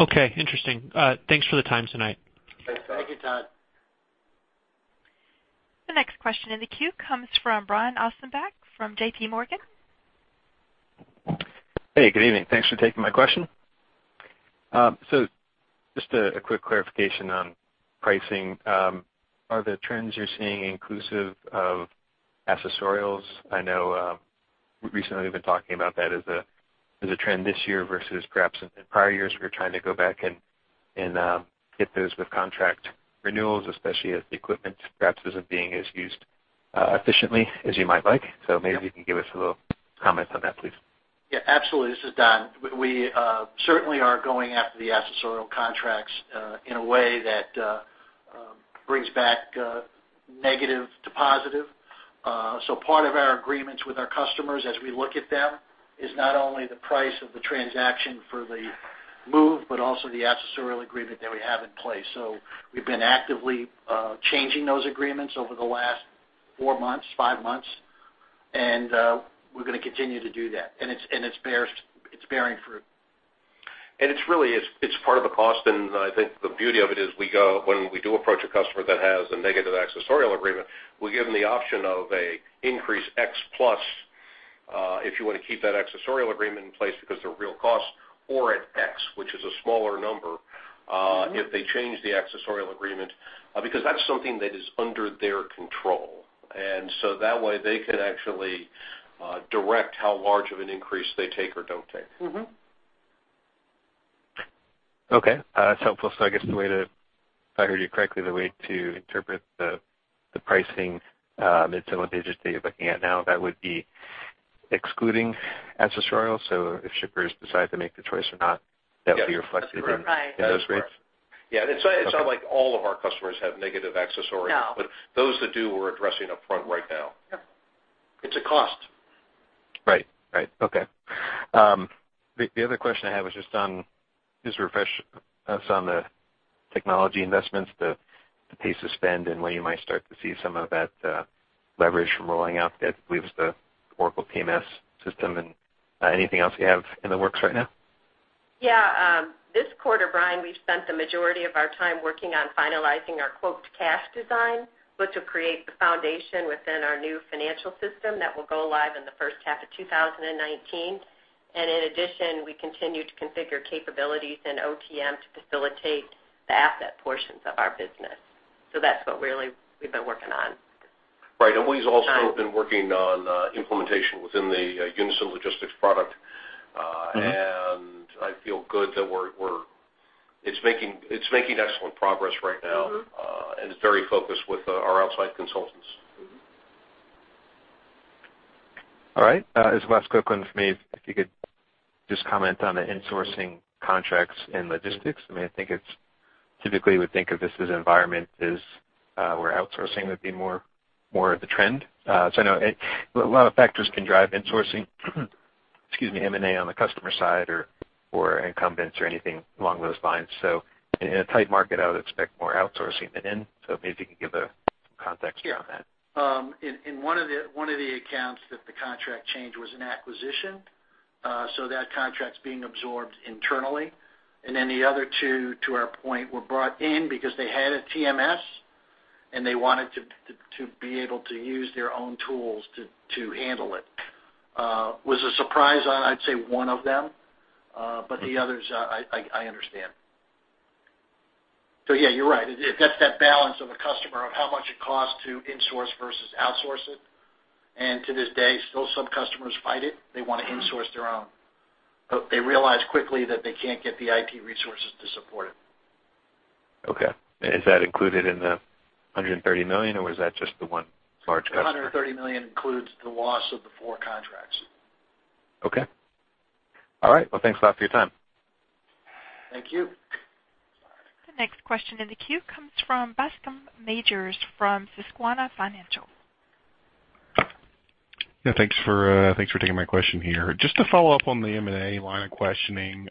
Okay, interesting. Thanks for the time tonight. Thanks, Todd. Thank you, Todd. The next question in the queue comes from Brian Ossenbeck from JPMorgan. Hey, good evening. Thanks for taking my question. Just a quick clarification on pricing. Are the trends you're seeing inclusive of accessorials? I know recently we've been talking about that as a trend this year versus perhaps in prior years, we were trying to go back and hit those with contract renewals, especially as the equipment perhaps isn't being as used efficiently as you might like. Maybe if you can give us a little comment on that, please. Yeah, absolutely. This is Don. We certainly are going after the accessorial contracts in a way that brings back negative to positive. Part of our agreements with our customers as we look at them is not only the price of the transaction for the move, but also the accessorial agreement that we have in place. We've been actively changing those agreements over the last four months, five months, and we're going to continue to do that. It's bearing fruit. It's part of the cost, I think the beauty of it is when we do approach a customer that has a negative accessorial agreement, we give them the option of an increase X plus if you want to keep that accessorial agreement in place because they're real costs, or an X, which is a smaller number if they change the accessorial agreement. Because that's something that is under their control. That way they can actually direct how large of an increase they take or don't take. Okay. That's helpful. I guess if I heard you correctly, the way to interpret the pricing, it's what they just, that you're looking at now, that would be excluding accessorial. If shippers decide to make the choice or not, that would be reflected in those rates? Yeah. It's not like all of our customers have negative accessorial No Those that do, we're addressing upfront right now. Yep. It's a cost. Right. Okay. The other question I have is just on, just refresh us on the technology investments, the pace of spend, and when you might start to see some of that leverage from rolling out I believe it's the Oracle TMS system. Anything else you have in the works right now? Yeah. This quarter, Brian, we've spent the majority of our time working on finalizing our quote-to-cash design, which will create the foundation within our new financial system that will go live in the first half of 2019. In addition, we continue to configure capabilities in OTM to facilitate the asset portions of our business. That's what really we've been working on. Right. We've also been working on implementation within the Unyson Logistics product. I feel good that it's making excellent progress right now and is very focused with our outside consultants. All right. [As well as a quick ones, maybe] if you could just comment on the insourcing contracts in logistics. I think it's typically we think of this as environment as where outsourcing would be more of the trend. I know a lot of factors can drive insourcing, M&A on the customer side or incumbents or anything along those lines. In a tight market, I would expect more outsourcing than in. Maybe if you could give some context here on that. Sure. In one of the accounts that the contract change was an acquisition, so that contract's being absorbed internally. The other two, to our point, were brought in because they had a TMS and they wanted to be able to use their own tools to handle it. Was a surprise on, I'd say one of them. The others, I understand. Yeah, you're right. That's that balance of a customer of how much it costs to insource versus outsource it. To this day, still some customers fight it. They want to insource their own. They realize quickly that they can't get the IT resources to support it. Okay. Is that included in the $130 million, or was that just the one large customer? The $130 million includes the loss of the four contracts. Okay. All right. Well, thanks a lot for your time. Thank you. The next question in the queue comes from Bascome Majors from Susquehanna Financial. Yeah, thanks for taking my question here. Just to follow up on the M&A line of questioning.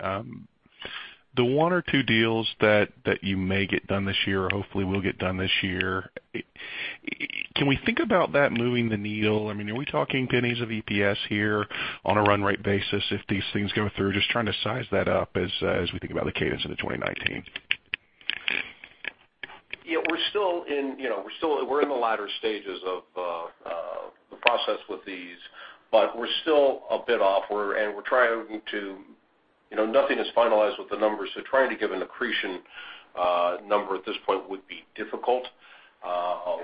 The one or two deals that you may get done this year, or hopefully will get done this year, can we think about that moving the needle? Are we talking pennies of EPS here on a run rate basis if these things go through? Just trying to size that up as we think about the cadence into 2019. We're in the latter stages of the process with these, but we're still a bit off and we're trying to. Nothing is finalized with the numbers, trying to give an accretion number at this point would be difficult.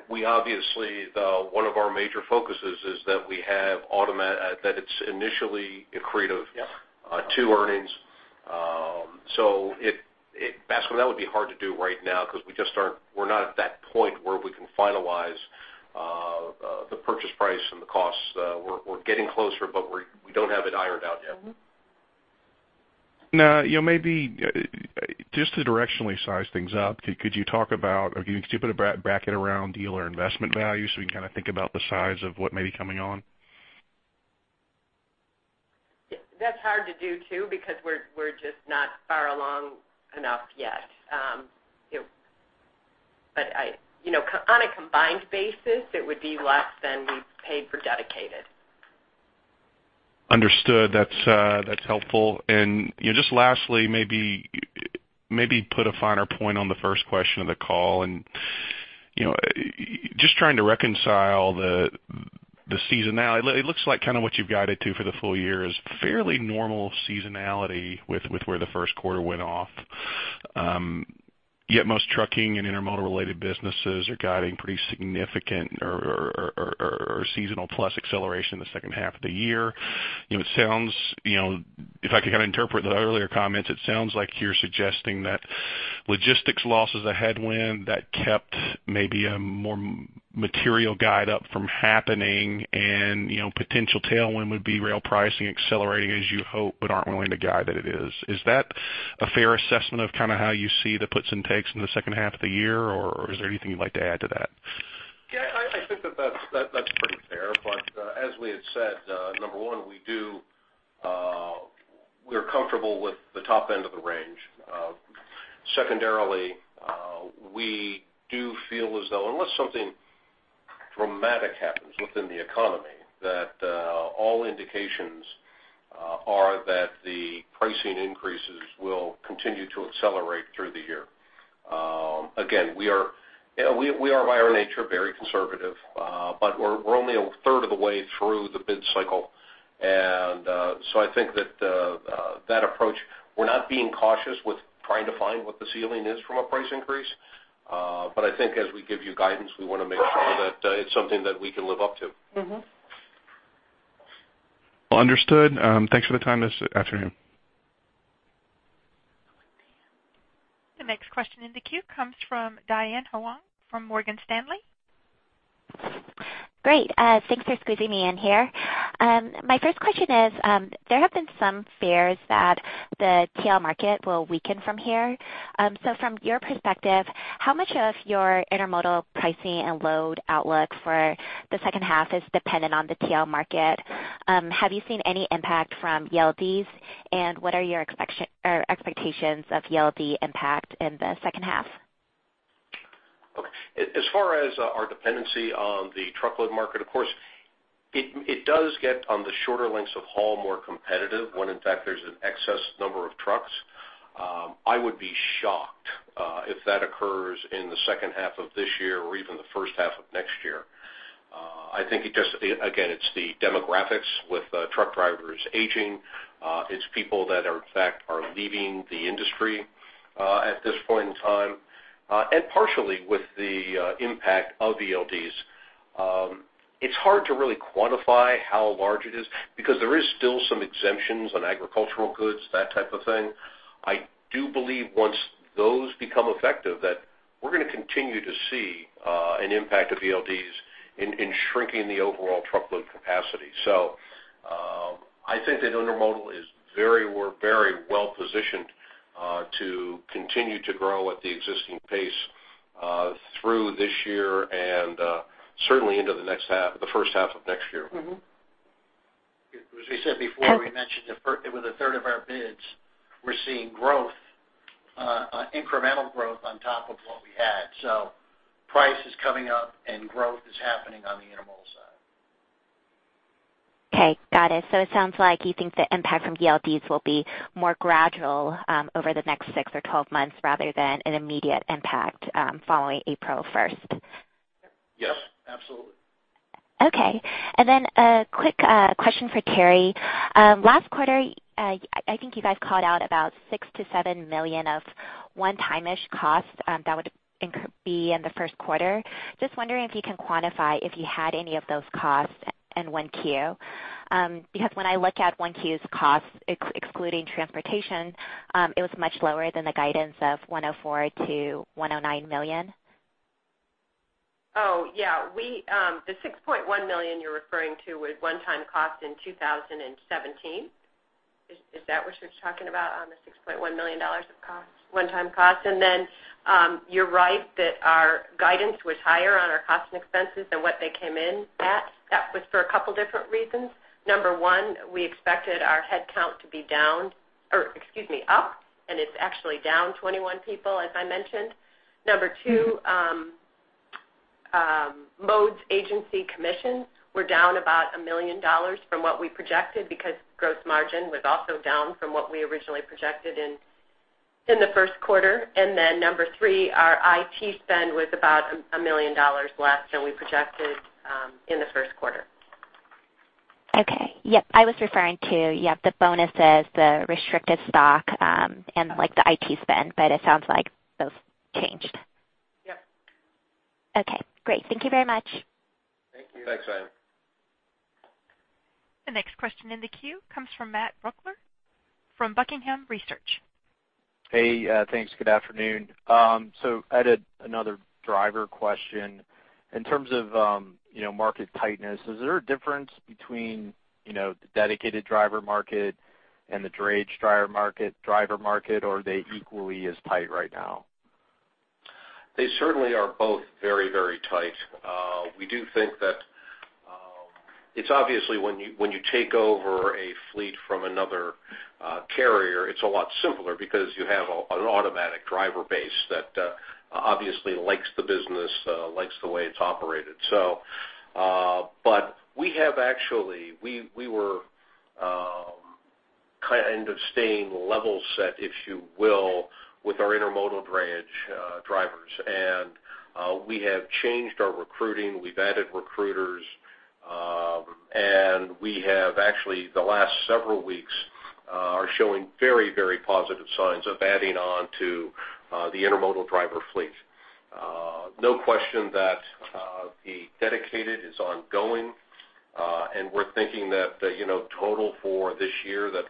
We obviously, one of our major focuses is that it's initially accretive- Yeah to earnings. Bascome, that would be hard to do right now because we're not at that point where we can finalize the purchase price and the costs. We're getting closer, we don't have it ironed out yet. Maybe just to directionally size things up, could you put a bracket around dedicated investment value so we can think about the size of what may be coming on? That's hard to do too, because we're just not far along enough yet. On a combined basis, it would be less than we paid for Dedicated. Understood. That's helpful. Just lastly, maybe put a finer point on the first question of the call and just trying to reconcile the seasonality. It looks like what you've guided to for the full year is fairly normal seasonality with where the first quarter went off. Yet most trucking and intermodal related businesses are guiding pretty significant or seasonal plus acceleration in the second half of the year. If I could interpret the earlier comments, it sounds like you're suggesting that logistics loss is a headwind that kept maybe a more material guide up from happening and potential tailwind would be rail pricing accelerating as you hope, but aren't willing to guide that it is. Is that a fair assessment of how you see the puts and takes in the second half of the year, or is there anything you'd like to add to that? Yeah, I think that's pretty fair. As we had said, number one, we're comfortable with the top end of the range. Secondarily, we do feel as though unless something dramatic happens within the economy, that all indications are that the pricing increases will continue to accelerate through the year. Again, we are, by our nature, very conservative. We're only a third of the way through the bid cycle. So I think that that approach, we're not being cautious with trying to find what the ceiling is from a price increase. I think as we give you guidance, we want to make sure that it's something that we can live up to. Understood. Thanks for the time this afternoon. The next question in the queue comes from Diane Huang from Morgan Stanley. Great. Thanks for squeezing me in here. My first question is, there have been some fears that the TL market will weaken from here. From your perspective, how much of your intermodal pricing and load outlook for the second half is dependent on the TL market? Have you seen any impact from ELDs, and what are your expectations of ELD impact in the second half? As far as our dependency on the truckload market, of course, it does get on the shorter lengths of haul more competitive when in fact there's an excess number of trucks. I would be shocked if that occurs in the second half of this year or even the first half of next year. I think it's the demographics with truck drivers aging. It's people that are in fact leaving the industry at this point in time. Partially with the impact of ELDs. It's hard to really quantify how large it is because there is still some exemptions on agricultural goods, that type of thing. I do believe once those become effective, that we're going to continue to see an impact of ELDs in shrinking the overall truckload capacity. I think that intermodal is very well positioned to continue to grow at the existing pace through this year and certainly into the first half of next year. As we said before, we mentioned it with a third of our bids, we're seeing growth, incremental growth on top of what we had. Price is coming up and growth is happening on the intermodal side. Got it. It sounds like you think the impact from ELDs will be more gradual over the next six or 12 months rather than an immediate impact following April 1st. Yes, absolutely. Okay. A quick question for Terri. Last quarter, I think you guys called out about $6 million-$7 million of one-time-ish costs that would be in the first quarter. Just wondering if you can quantify if you had any of those costs in 1Q. When I look at 1Q's costs, excluding transportation, it was much lower than the guidance of $104 million-$109 million. Oh, yeah. The $6.1 million you're referring to was one-time cost in 2017. Is that what you're talking about on the $6.1 million of costs, one-time cost? You're right that our guidance was higher on our cost and expenses than what they came in at. That was for a couple different reasons. Number one, we expected our headcount to be down, or excuse me, up, and it's actually down 21 people, as I mentioned. Number two, Mode agency commissions were down about $1 million from what we projected because gross margin was also down from what we originally projected in the first quarter. Number three, our IT spend was about $1 million less than we projected in the first quarter. Okay. Yep. I was referring to, yep, the bonuses, the restricted stock, and the IT spend, but it sounds like those changed. Yep. Okay, great. Thank you very much. Thank you. Thanks, Diane. The next question in the queue comes from Matt Brooklier from Buckingham Research. Hey, thanks. Good afternoon. Ed, another driver question. In terms of market tightness, is there a difference between the dedicated driver market and the drayage driver market, or are they equally as tight right now? They certainly are both very tight. We do think that it's obviously when you take over a fleet from another carrier, it's a lot simpler because you have an automatic driver base that obviously likes the business, likes the way it's operated. We have actually, we were kind of staying level set, if you will, with our intermodal drayage drivers. We have changed our recruiting, we've added recruiters, we have actually, the last several weeks, are showing very positive signs of adding on to the intermodal driver fleet. No question that the dedicated is ongoing, we're thinking that the total for this year, that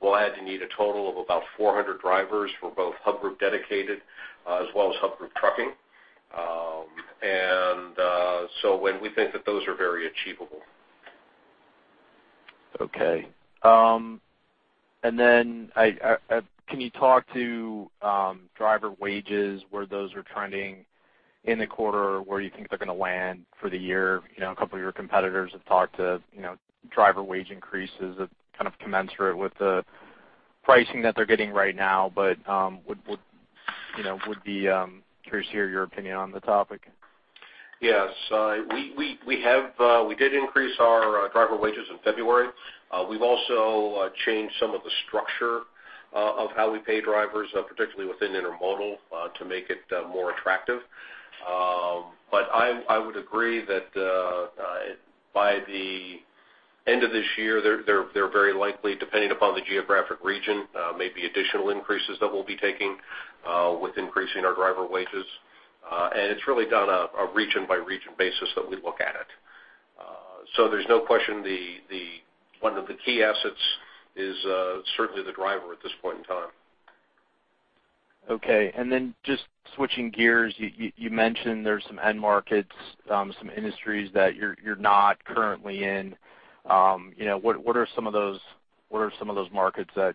we'll add and need a total of about 400 drivers for both Hub Group Dedicated as well as Hub Group Trucking. When we think that those are very achievable. Okay. Can you talk to driver wages, where those are trending in the quarter, where you think they're going to land for the year? A couple of your competitors have talked to driver wage increases that kind of commensurate with the pricing that they're getting right now. Would be curious to hear your opinion on the topic. Yes. We did increase our driver wages in February. We've also changed some of the structure of how we pay drivers, particularly within intermodal, to make it more attractive. I would agree that by the end of this year, they're very likely, depending upon the geographic region, may be additional increases that we'll be taking with increasing our driver wages. It's really on a region-by-region basis that we look at it. There's no question one of the key assets is certainly the driver at this point in time. Okay, just switching gears, you mentioned there's some end markets, some industries that you're not currently in. What are some of those markets that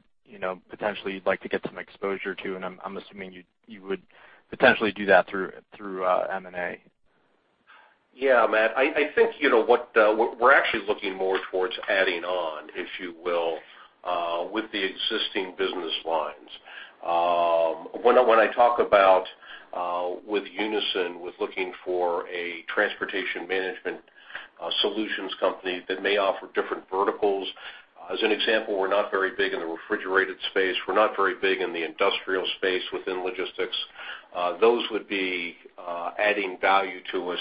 potentially you'd like to get some exposure to? I'm assuming you would potentially do that through M&A. Yeah, Matt, I think we're actually looking more towards adding on, if you will, with the existing business lines. When I talk about with Unyson, with looking for a transportation management solutions company that may offer different verticals, as an example, we're not very big in the refrigerated space. We're not very big in the industrial space within logistics. Those would be adding value to us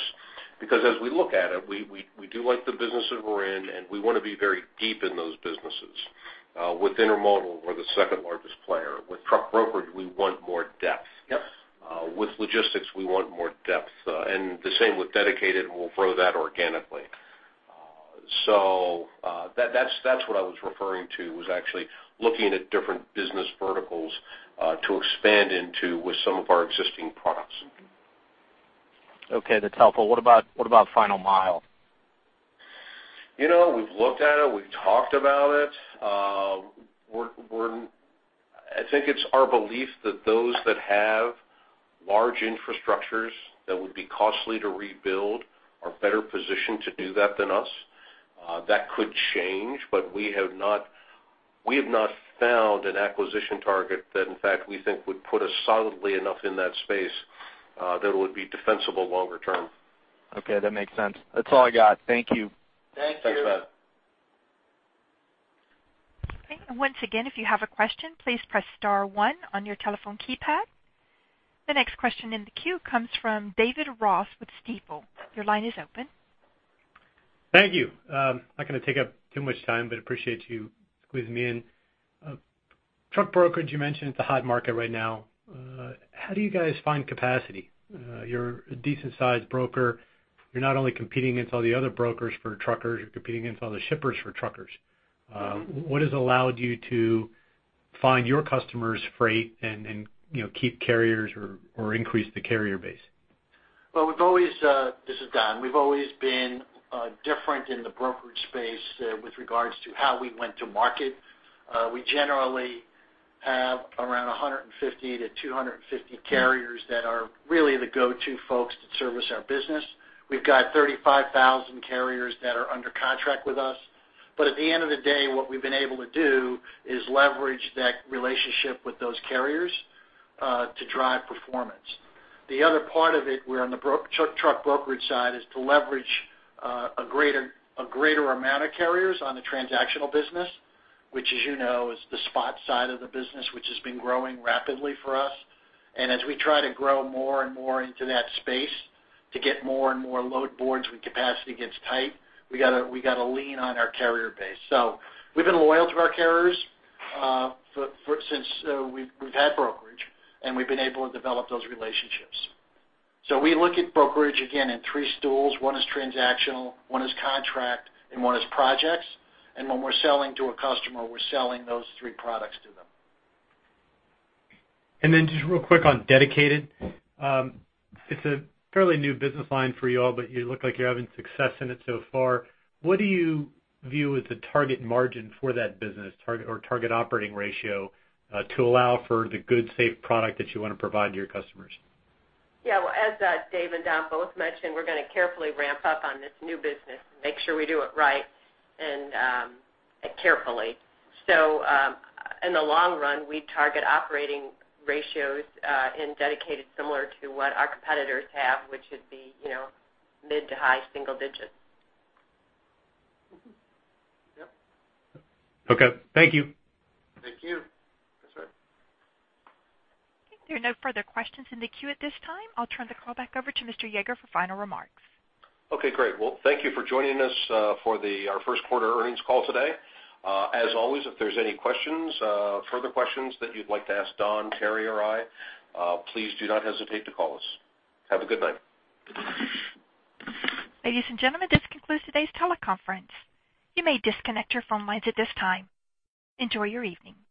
because as we look at it, we do like the business that we're in, and we want to be very deep in those businesses. With intermodal, we're the second largest player. With truck brokerage, we want more depth. Yep. With logistics, we want more depth. The same with Dedicated, and we'll grow that organically. That's what I was referring to, was actually looking at different business verticals to expand into with some of our existing products. Okay, that's helpful. What about final mile? We've looked at it. We've talked about it. I think it's our belief that those that have large infrastructures that would be costly to rebuild are better positioned to do that than us. That could change, but we have not found an acquisition target that in fact we think would put us solidly enough in that space that it would be defensible longer term. Okay, that makes sense. That's all I got. Thank you. Thank you. Thanks, Ed. Okay, once again, if you have a question, please press star one on your telephone keypad. The next question in the queue comes from David Ross with Stifel. Your line is open. Thank you. I'm not going to take up too much time, appreciate you squeezing me in. Truck brokerage, you mentioned it's a hot market right now. How do you guys find capacity? You're a decent-sized broker. You're not only competing against all the other brokers for truckers, you're competing against all the shippers for truckers. What has allowed you to find your customers freight and keep carriers or increase the carrier base? Well, this is Don. We've always been different in the brokerage space with regards to how we went to market. We generally have around 150-250 carriers that are really the go-to folks that service our business. We've got 35,000 carriers that are under contract with us. At the end of the day, what we've been able to do is leverage that relationship with those carriers to drive performance. The other part of it, we're on the truck brokerage side is to leverage a greater amount of carriers on the transactional business, which as you know, is the spot side of the business, which has been growing rapidly for us. As we try to grow more and more into that space to get more and more load boards when capacity gets tight, we got to lean on our carrier base. We've been loyal to our carriers since we've had brokerage, and we've been able to develop those relationships. We look at brokerage again in three stools. One is transactional, one is contract, and one is projects. When we're selling to a customer, we're selling those three products to them. Just real quick on Dedicated. It's a fairly new business line for you all, but you look like you're having success in it so far. What do you view as a target margin for that business, or target operating ratio to allow for the good, safe product that you want to provide to your customers? Well, as Dave and Don both mentioned, we're going to carefully ramp up on this new business and make sure we do it right and carefully. In the long run, we target operating ratios in Dedicated similar to what our competitors have, which would be mid to high single digits. Yep. Okay. Thank you. Thank you. That's right. Okay, there are no further questions in the queue at this time. I'll turn the call back over to Mr. Yeager for final remarks. Okay, great. Well, thank you for joining us for our first quarter earnings call today. As always, if there's any questions, further questions that you'd like to ask Don, Terri, or I, please do not hesitate to call us. Have a good night. Ladies and gentlemen, this concludes today's teleconference. You may disconnect your phone lines at this time. Enjoy your evening.